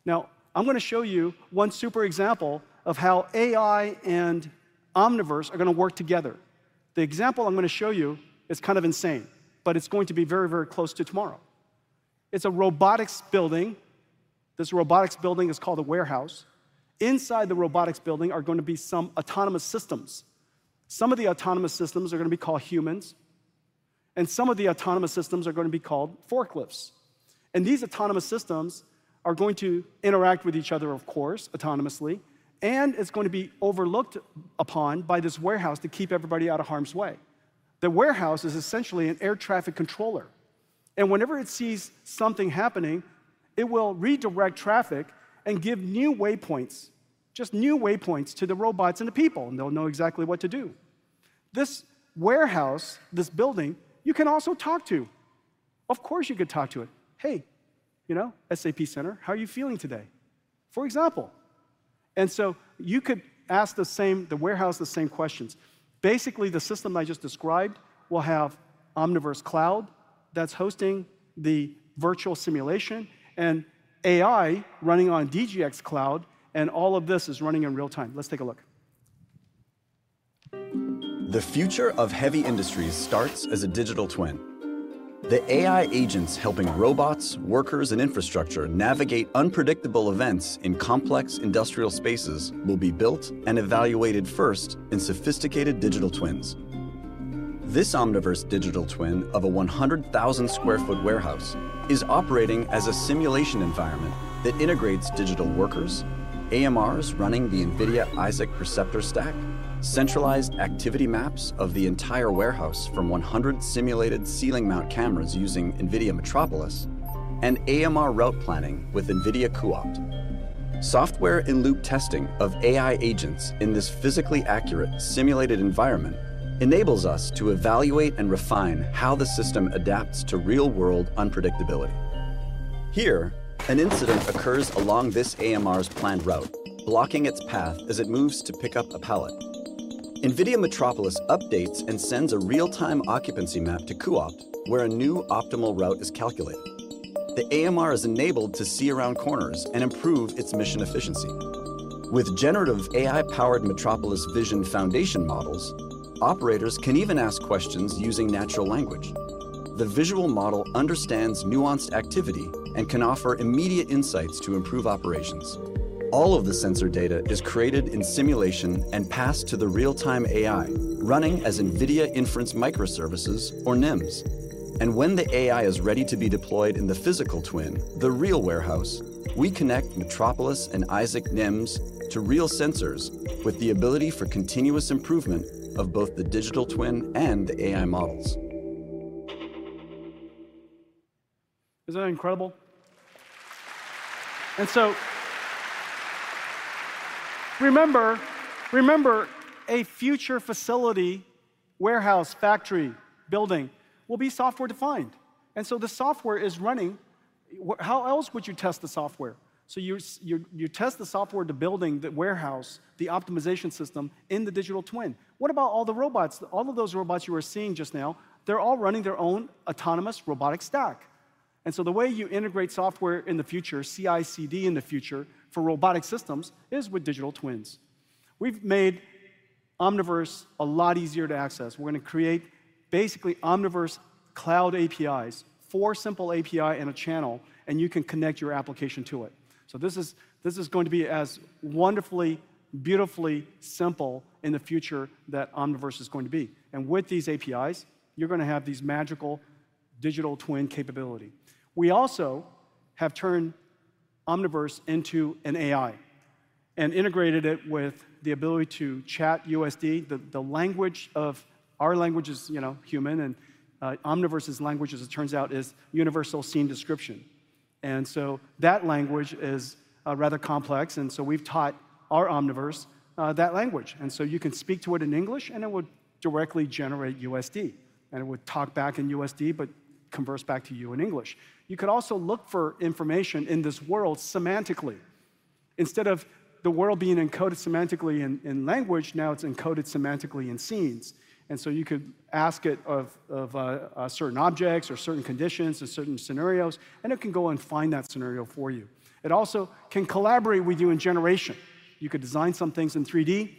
Now, I'm gonna show you one super example of how AI and Omniverse are gonna work together. The example I'm gonna show you is kind of insane, but it's going to be very, very close to tomorrow. It's a robotics building. This robotics building is called a warehouse. Inside the robotics building are gonna be some autonomous systems. Some of the autonomous systems are gonna be called humans, and some of the autonomous systems are gonna be called forklifts. These autonomous systems are going to interact with each other, of course, autonomously, and it's going to be overlooked upon by this warehouse to keep everybody out of harm's way. The warehouse is essentially an air traffic controller, and whenever it sees something happening, it will redirect traffic and give new waypoints, just new waypoints to the robots and the people, and they'll know exactly what to do. This warehouse, this building, you can also talk to. Of course, you could talk to it. "Hey, you know, SAP Center, how are you feeling today?" For example. So you could ask the same, the warehouse, the same questions. Basically, the system I just described will have Omniverse Cloud that's hosting the virtual simulation and AI running on DGX Cloud, and all of this is running in real time. Let's take a look. The future of heavy industries starts as a digital twin. The AI agents helping robots, workers, and infrastructure navigate unpredictable events in complex industrial spaces will be built and evaluated first in sophisticated digital twins. This Omniverse digital twin of a 100,000 sq ft warehouse is operating as a simulation environment that integrates digital workers, AMRs running the NVIDIA Isaac Perceptor Stack, centralized activity maps of the entire warehouse from 100 simulated ceiling-mount cameras using NVIDIA Metropolis, and AMR route planning with NVIDIA cuOpt. Software-in-loop testing of AI agents in this physically accurate, simulated environment enables us to evaluate and refine how the system adapts to real-world unpredictability. Here, an incident occurs along this AMR's planned route, blocking its path as it moves to pick up a pallet. NVIDIA Metropolis updates and sends a real-time occupancy map to cuOpt, where a new optimal route is calculated. The AMR is enabled to see around corners and improve its mission efficiency. With Generative AI-powered Metropolis vision foundation models, operators can even ask questions using natural language. The visual model understands nuanced activity and can offer immediate insights to improve operations. All of the sensor data is created in simulation and passed to the real-time AI, running as NVIDIA Inference Microservices, or NIMs. When the AI is ready to be deployed in the physical twin, the real warehouse, we connect Metropolis and Isaac NIMs to real sensors with the ability for continuous improvement of both the digital twin and the AI models. Isn't that incredible? So, remember, a future facility, warehouse, factory, building will be software-defined, and so the software is running. How else would you test the software? So you test the software in the building, the warehouse, the optimization system, in the digital twin. What about all the robots? All of those robots you were seeing just now, they're all running their own autonomous robotic stack. And so the way you integrate software in the future, CI/CD in the future, for robotic systems, is with digital twins. We've made Omniverse a lot easier to access. We're gonna create basically Omniverse Cloud APIs, for simple APIs in a channel, and you can connect your application to it. So this is going to be as wonderfully, beautifully simple in the future that Omniverse is going to be. And with these APIs, you're gonna have these magical digital twin capability. We also have turned Omniverse into an AI and integrated it with the ability to ChatUSD, the language of, our language is, you know, human, and Omniverse's language, as it turns out, is Universal Scene Description. And so that language is rather complex, and so we've taught our Omniverse that language. And so you can speak to it in English, and it would directly generate USD, and it would talk back in USD but converse back to you in English. You could also look for information in this world semantically. Instead of the world being encoded semantically in language, now it's encoded semantically in scenes, and so you could ask it of certain objects or certain conditions or certain scenarios, and it can go and find that scenario for you. It also can collaborate with you in generation. You could design some things in 3D,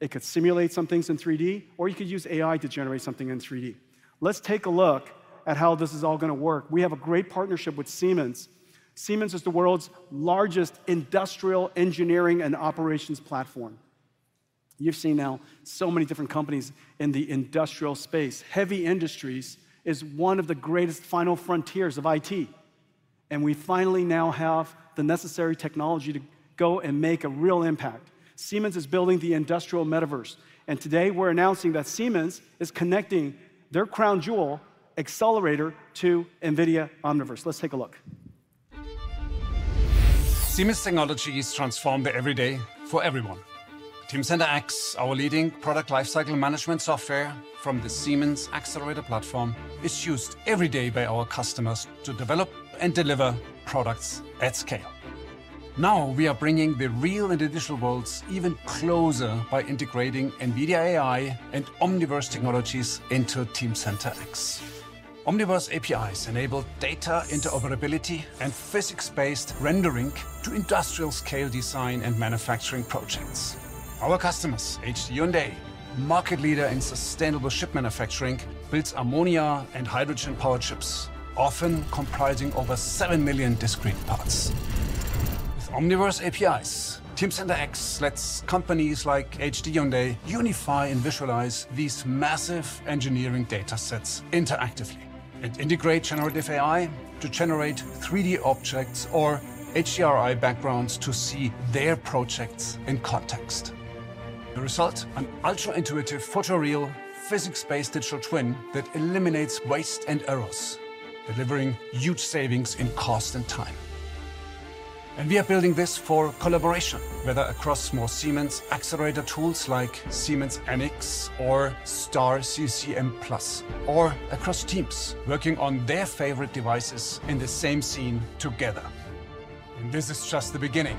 it could simulate some things in 3D, or you could use AI to generate something in 3D. Let's take a look at how this is all gonna work. We have a great partnership with Siemens. Siemens is the world's largest industrial engineering and operations platform. You've seen now so many different companies in the industrial space. Heavy industries is one of the greatest final frontiers of IT, and we finally now have the necessary technology to go and make a real impact. Siemens is building the industrial metaverse, and today we're announcing that Siemens is connecting their crown jewel, Xcelerator, to NVIDIA Omniverse. Let's take a look. Siemens technology has transformed the everyday for everyone. Teamcenter X, our leading product lifecycle management software from the Siemens Xcelerator platform, is used every day by our customers to develop and deliver products at scale. Now, we are bringing the real and digital worlds even closer by integrating NVIDIA AI and Omniverse technologies into Teamcenter X. Omniverse APIs enable data interoperability and physics-based rendering to industrial-scale design and manufacturing projects. Our customers, HD Hyundai, market leader in sustainable ship manufacturing, builds ammonia and hydrogen-powered ships, often comprising over 7 million discrete parts. With Omniverse APIs, Teamcenter X lets companies like HD Hyundai unify and visualize these massive engineering data sets interactively, and integrate generative AI to generate 3D objects or HDRI backgrounds to see their projects in context. The result: an ultra-intuitive, photoreal, physics-based digital twin that eliminates waste and errors, delivering huge savings in cost and time. We are building this for collaboration, whether across more Siemens Xcelerator tools like Siemens NX or STAR-CCM+, or across teams working on their favorite devices in the same scene together. This is just the beginning.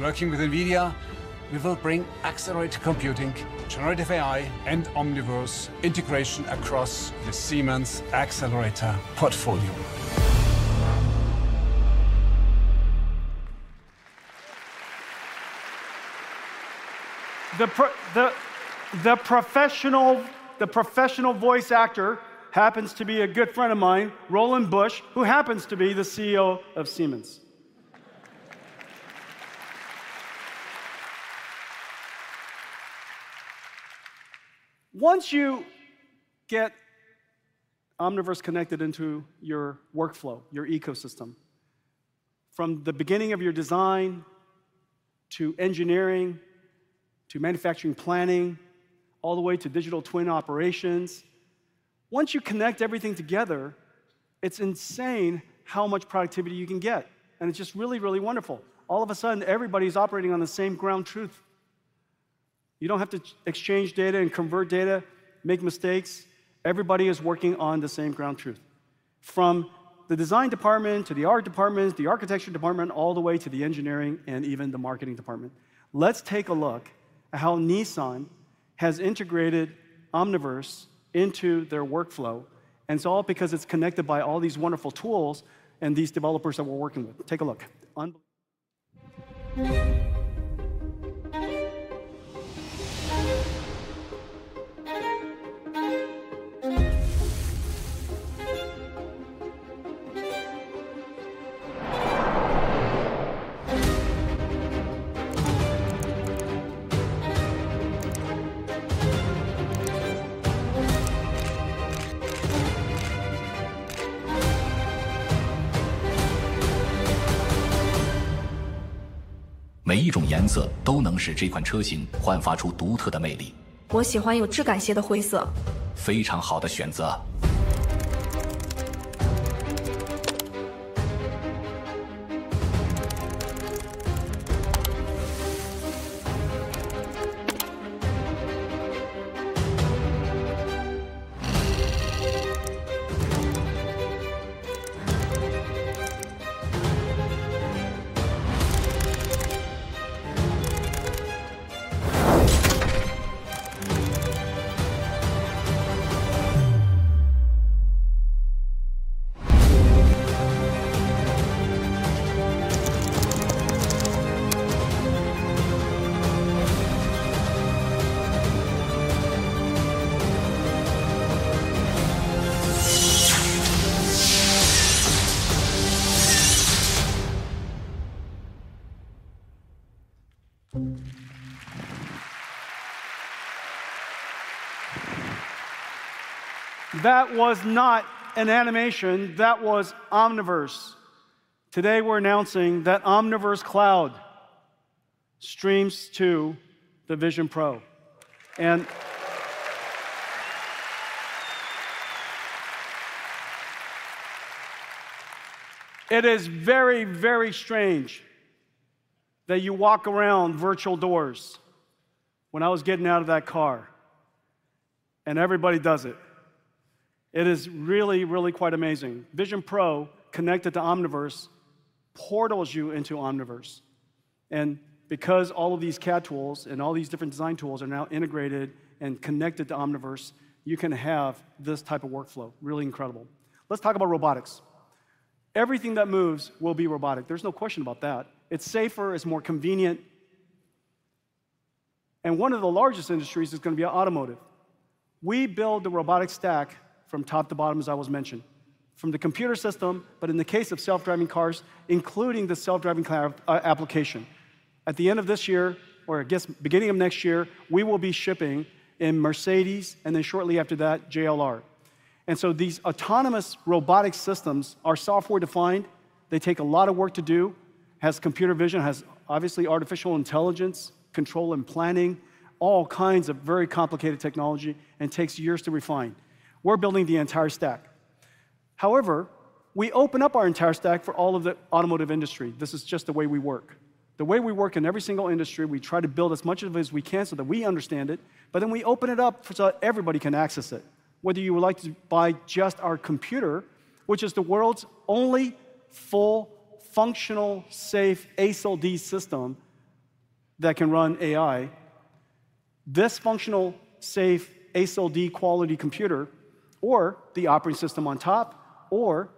Working with NVIDIA, we will bring accelerated computing, generative AI, and Omniverse integration across the Siemens Xcelerator portfolio. The professional voice actor happens to be a good friend of mine, Roland Busch, who happens to be the CEO of Siemens. Once you get Omniverse connected into your workflow, your ecosystem, from the beginning of your design to engineering to manufacturing planning, all the way to digital twin operations. Once you connect everything together, it's insane how much productivity you can get, and it's just really, really wonderful. All of a sudden, everybody's operating on the same ground truth. You don't have to exchange data and convert data, make mistakes. Everybody is working on the same ground truth, from the design department to the art department, the architecture department, all the way to the engineering and even the marketing department. Let's take a look at how Nissan has integrated Omniverse into their workflow, and it's all because it's connected by all these wonderful tools and these developers that we're working with. Take a look. That was not an animation. That was Omniverse. Today, we're announcing that Omniverse Cloud streams to the Vision Pro. It is very, very strange that you walk around virtual doors when I was getting out of that car, and everybody does it. It is really, really quite amazing. Vision Pro, connected to Omniverse, portals you into Omniverse, and because all of these CAD tools and all these different design tools are now integrated and connected to Omniverse, you can have this type of workflow. Really incredible. Let's talk about robotics. Everything that moves will be robotic, there's no question about that. It's safer, it's more convenient, and one of the largest industries is gonna be automotive. We build the robotic stack from top to bottom, as I was mentioning, from the computer system, but in the case of self-driving cars, including the self-driving car application. At the end of this year, or I guess beginning of next year, we will be shipping in Mercedes, and then shortly after that, JLR. And so these autonomous robotic systems are software-defined. They take a lot of work to do, has computer vision, has obviously artificial intelligence, control and planning, all kinds of very complicated technology and takes years to refine. We're building the entire stack. However, we open up our entire stack for all of the automotive industry. This is just the way we work. The way we work in every single industry, we try to build as much of it as we can so that we understand it, but then we open it up so that everybody can access it. Whether you would like to buy just our computer, which is the world's only full functional, safe ASIL D system that can run AI, this functional, safe ASIL D quality computer, or the operating system on top, or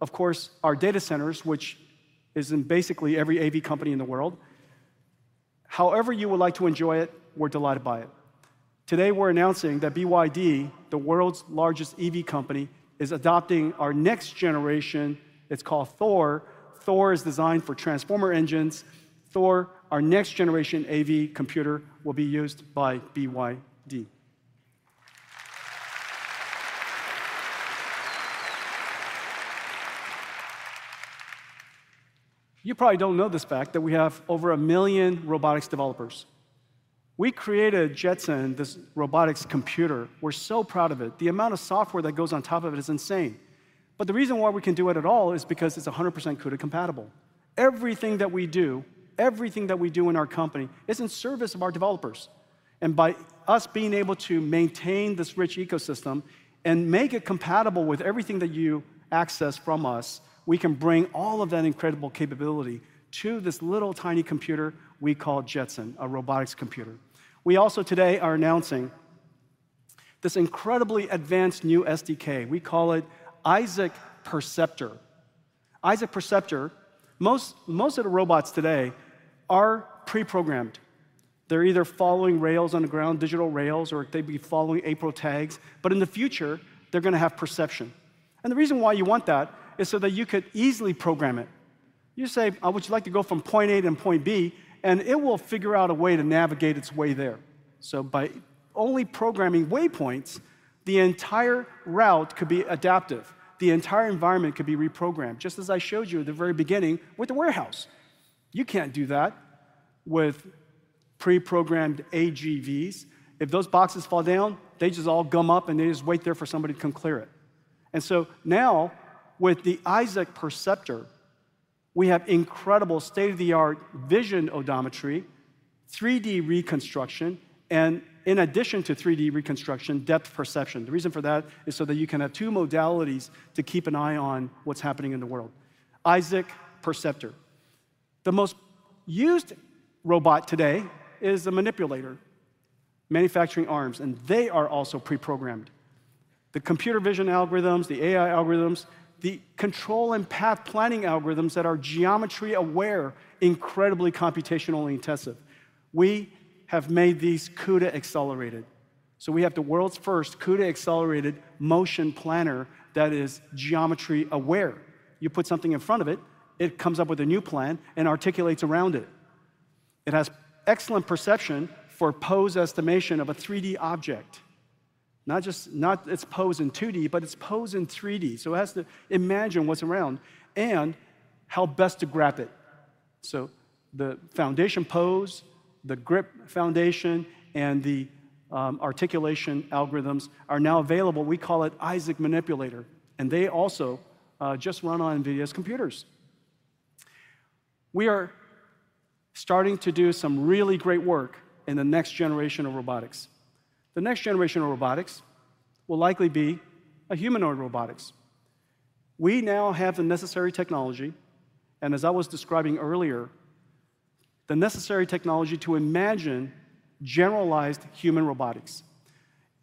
of course, our data centers, which is in basically every AV company in the world. However you would like to enjoy it, we're delighted by it. Today, we're announcing that BYD, the world's largest EV company, is adopting our next generation. It's called Thor. Thor is designed for Transformer Engines. Thor, our next generation AV computer, will be used by BYD. You probably don't know this fact, that we have over 1 million robotics developers. We created Jetson, this robotics computer. We're so proud of it. The amount of software that goes on top of it is insane. But the reason why we can do it at all is because it's 100% CUDA compatible. Everything that we do, everything that we do in our company is in service of our developers, and by us being able to maintain this rich ecosystem and make it compatible with everything that you access from us, we can bring all of that incredible capability to this little, tiny computer we call Jetson, a robotics computer. We also today are announcing this incredibly advanced new SDK. We call it Isaac Perceptor. Isaac Perceptor-most, most of the robots today are pre-programmed. They're either following rails on the ground, digital rails, or they'd be following AprilTags, but in the future, they're gonna have perception. The reason why you want that is so that you could easily program it. You say, "I would you like to go from point A to point B," and it will figure out a way to navigate its way there. So by only programming waypoints, the entire route could be adaptive. The entire environment could be reprogrammed, just as I showed you at the very beginning with the warehouse. You can't do that with pre-programmed AGVs. If those boxes fall down, they just all gum up, and they just wait there for somebody to come clear it. And so now, with the Isaac Perceptor, we have incredible state-of-the-art vision odometry, 3D reconstruction, and in addition to 3D reconstruction, depth perception. The reason for that is so that you can have two modalities to keep an eye on what's happening in the world. Isaac Perceptor. The most used robot today is the manipulator, manufacturing arms, and they are also pre-programmed, the computer vision algorithms, the AI algorithms, the control and path-planning algorithms that are geometry-aware, incredibly computationally intensive. We have made these CUDA-accelerated. So we have the world's first CUDA-accelerated motion planner that is geometry-aware. You put something in front of it, it comes up with a new plan and articulates around it. It has excellent perception for pose estimation of a 3D object, not just- not its pose in 2D, but its pose in 3D, so it has to imagine what's around and how best to grab it. So the FoundationPose, the grip foundation, and the articulation algorithms are now available. We call it Isaac Manipulator, and they also just run on NVIDIA's computers. We are starting to do some really great work in the next generation of robotics. The next generation of robotics will likely be a humanoid robotics. We now have the necessary technology, and as I was describing earlier, the necessary technology to imagine generalized human robotics.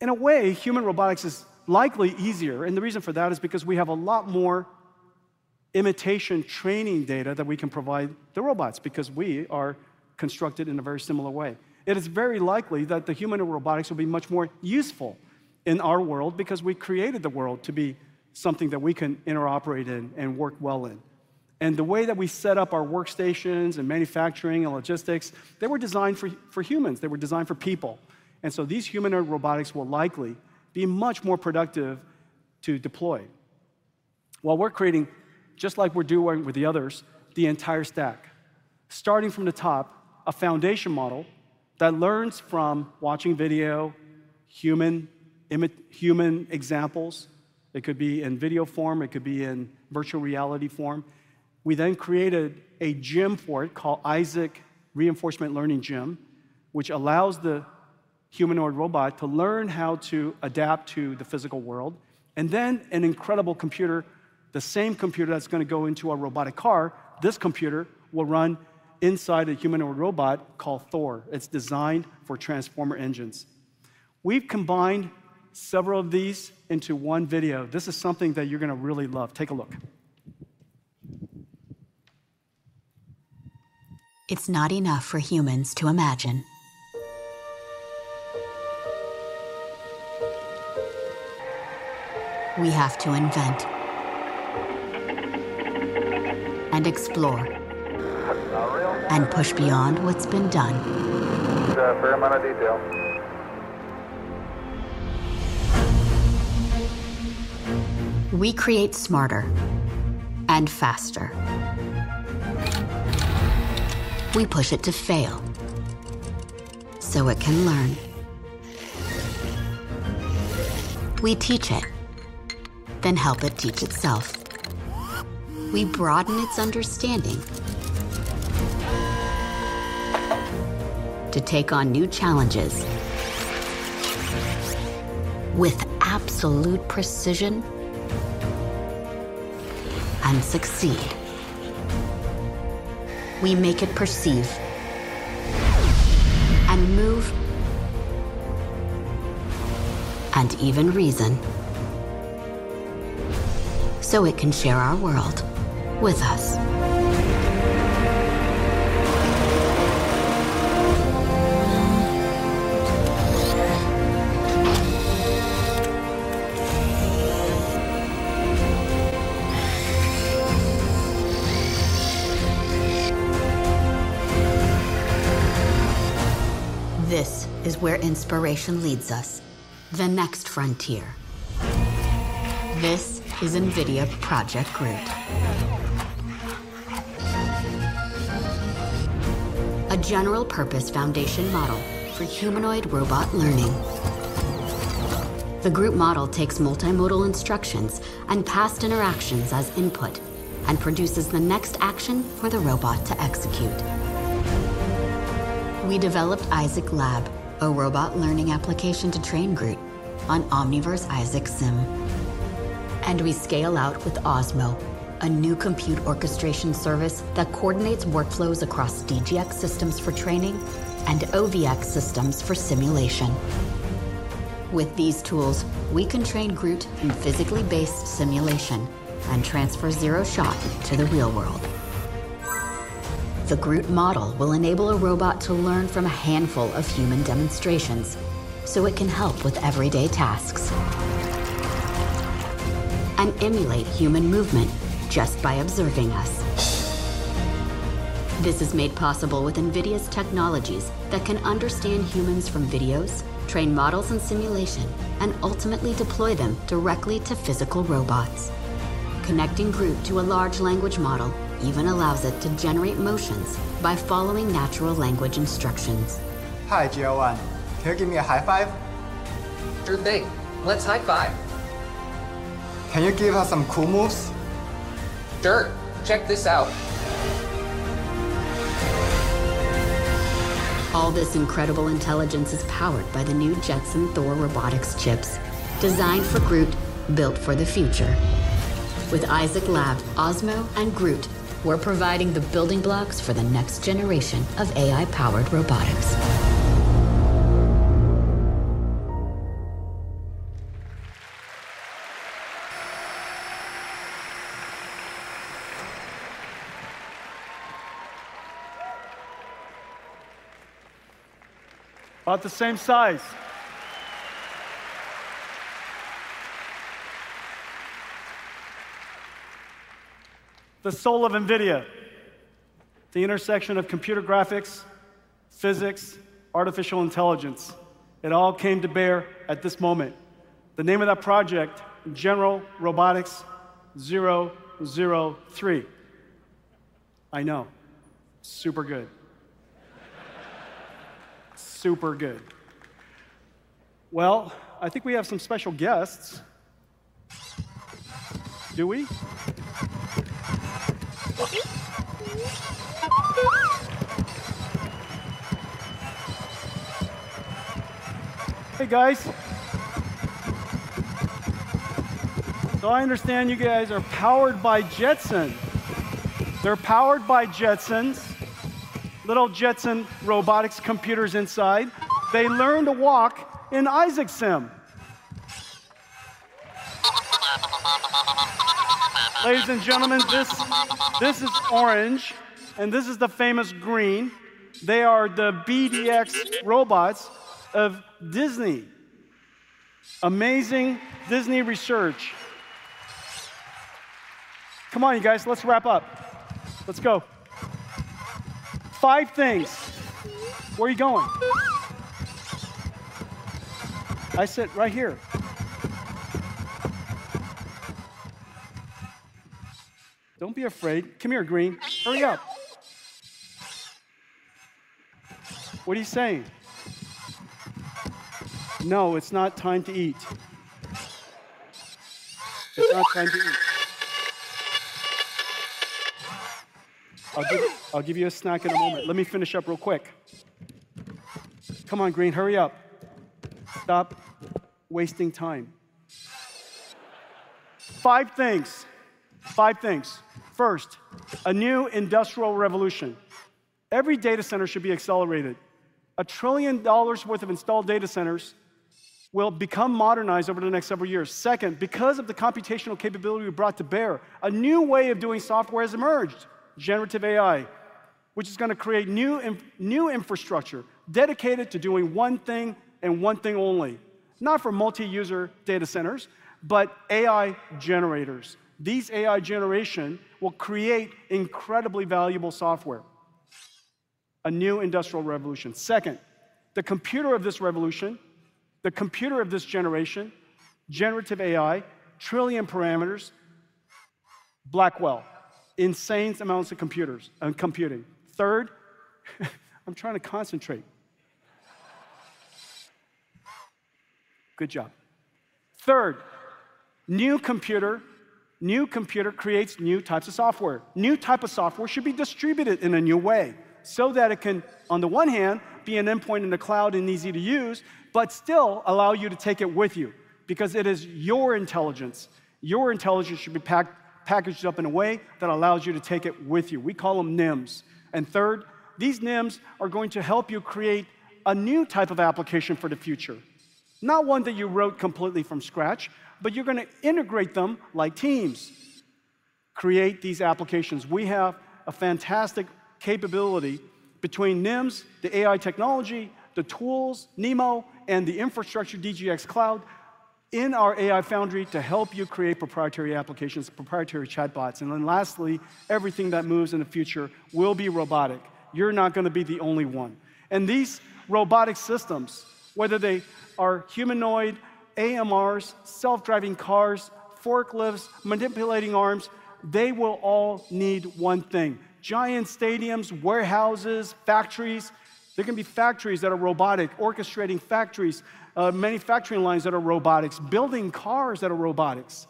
In a way, human robotics is likely easier, and the reason for that is because we have a lot more imitation training data that we can provide the robots because we are constructed in a very similar way. It is very likely that the humanoid robotics will be much more useful in our world because we created the world to be something that we can interoperate in and work well in. The way that we set up our workstations and manufacturing and logistics, they were designed for humans. They were designed for people, and so these humanoid robotics will likely be much more productive to deploy. Well, we're creating, just like we're doing with the others, the entire stack. Starting from the top, a foundation model that learns from watching video, human examples. It could be in video form, it could be in virtual reality form. We then created a gym for it called Isaac Reinforcement Learning Gym, which allows the humanoid robot to learn how to adapt to the physical world. And then an incredible computer, the same computer that's gonna go into a robotic car, this computer will run inside a humanoid robot called Thor. It's designed for Transformer Engines. We've combined several of these into one video. This is something that you're gonna really love. Take a look. It's not enough for humans to imagine. We have to invent and explore- A real- and push beyond what's been done. It's a fair amount of detail. We create smarter and faster. We push it to fail, so it can learn. We teach it, then help it teach itself. We broaden its understanding to take on new challenges with absolute precision and succeed. We make it perceive, and move, and even reason, so it can share our world with us. This is where inspiration leads us, the next frontier. This is NVIDIA Project GR00T. A general-purpose foundation model for humanoid robot learning. The GR00T model takes multimodal instructions and past interactions as input and produces the next action for the robot to execute. We developed Isaac Lab, a robot learning application to train GR00T on Omniverse Isaac Sim. We scale out with Osmo, a new compute orchestration service that coordinates workflows across DGX systems for training and OVX systems for simulation. With these tools, we can train GR00T in physically based simulation and transfer zero shot to the real world. The GR00T model will enable a robot to learn from a handful of human demonstrations, so it can help with everyday tasks and emulate human movement just by observing us. This is made possible with NVIDIA's technologies that can understand humans from videos, train models and simulation, and ultimately deploy them directly to physical robots. Connecting GR00T to a large language model even allows it to generate motions by following natural language instructions. Hi, GR-1. Can you give me a high five? Sure thing. Let's high five! Can you give us some cool moves? Sure. Check this out. All this incredible intelligence is powered by the new Jetson Thor robotics chips, designed for GR00T, built for the future. With Isaac Lab, Osmo, and GR00T, we're providing the building blocks for the next generation of AI-powered robotics. About the same size. The soul of NVIDIA, the intersection of computer graphics, physics, artificial intelligence, it all came to bear at this moment. The name of that project: General Robotics 003. I know, super good. Super good. Well, I think we have some special guests. Do we? Hey, guys! So I understand you guys are powered by Jetson. They're powered by Jetsons, little Jetson robotics computers inside. They learned to walk in Isaac Sim. Ladies and gentlemen, this, this is Orange, and this is the famous Green. They are the BDX robots of Disney. Amazing Disney Research. Come on, you guys, let's wrap up. Let's go. Five things. Where are you going? I sit right here. Don't be afraid. Come here, Green. Hurry up! What are you saying? No, it's not time to eat. It's not time to eat. I'll give, I'll give you a snack in a moment. Let me finish up real quick. Come on, Green, hurry up. Stop wasting time. 5 things. 5 things. First, a new industrial revolution. Every data center should be accelerated. $1 trillion worth of installed data centers will become modernized over the next several years. Second, because of the computational capability we brought to bear, a new way of doing software has emerged, generative AI, which is gonna create new infrastructure dedicated to doing one thing and one thing only. Not for multi-user data centers, but AI generators. These AI generation will create incredibly valuable software, a new industrial revolution. Second, the computer of this revolution, the computer of this generation, generative AI, 1 trillion parameters, Blackwell, insane amounts of computers and computing. Third, I'm trying to concentrate. Good job. Third, new computer, new computer creates new types of software. New type of software should be distributed in a new way, so that it can, on the one hand, be an endpoint in the cloud and easy to use, but still allow you to take it with you, because it is your intelligence. Your intelligence should be packaged up in a way that allows you to take it with you. We call them NIMs. And third, these NIMs are going to help you create a new type of application for the future. Not one that you wrote completely from scratch, but you're gonna integrate them like teams, create these applications. We have a fantastic capability between NIMs, the AI technology, the tools, NeMo, and the infrastructure, DGX Cloud, in our AI Foundry to help you create proprietary applications, proprietary chatbots. Then lastly, everything that moves in the future will be robotic. You're not gonna be the only one. And these robotic systems, whether they are humanoid, AMRs, self-driving cars, forklifts, manipulating arms, they will all need one thing. Giant stadiums, warehouses, factories, there can be factories that are robotic, orchestrating factories, manufacturing lines that are robotics, building cars that are robotics.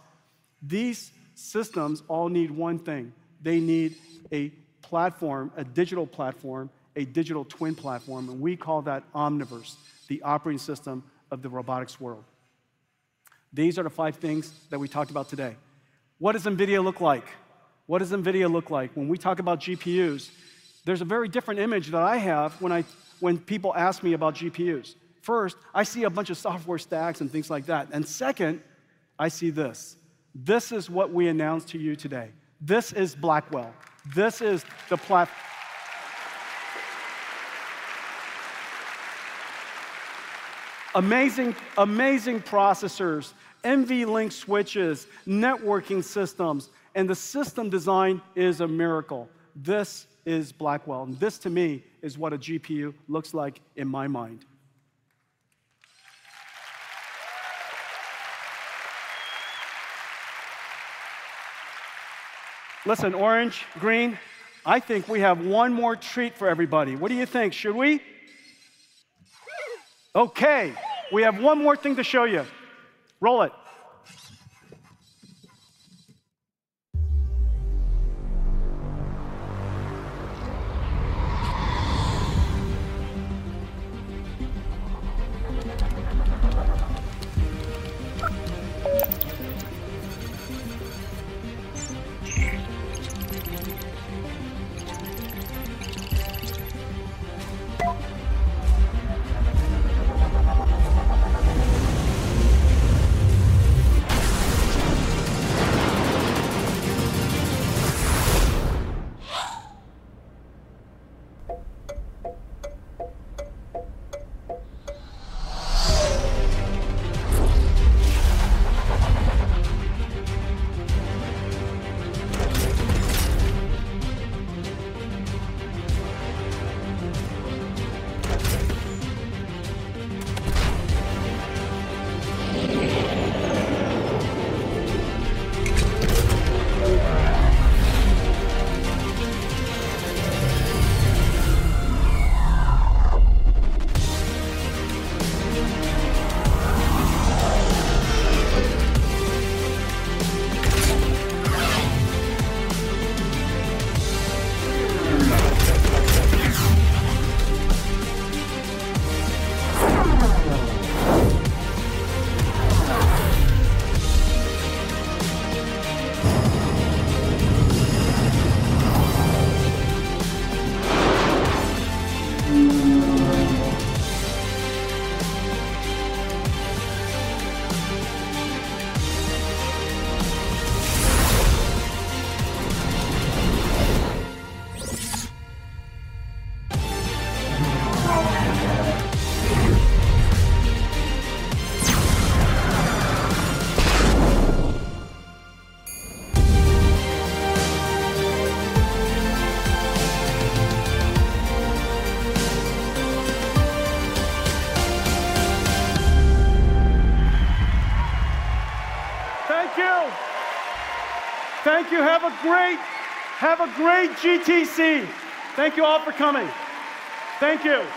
These systems all need one thing. They need a platform, a digital platform, a digital twin platform, and we call that Omniverse, the operating system of the robotics world. These are the five things that we talked about today. What does NVIDIA look like? What does NVIDIA look like? When we talk about GPUs, there's a very different image that I have when people ask me about GPUs. First, I see a bunch of software stacks and things like that, and second, I see this. This is what we announced to you today. This is Blackwell. This is amazing, amazing processors, NVLink switches, networking systems, and the system design is a miracle. This is Blackwell, and this to me is what a GPU looks like in my mind. Listen, Orange, Green, I think we have one more treat for everybody. What do you think? Should we? Okay, we have one more thing to show you. Roll it! Thank you! Thank you. Have a great, have a great GTC. Thank you all for coming. Thank you.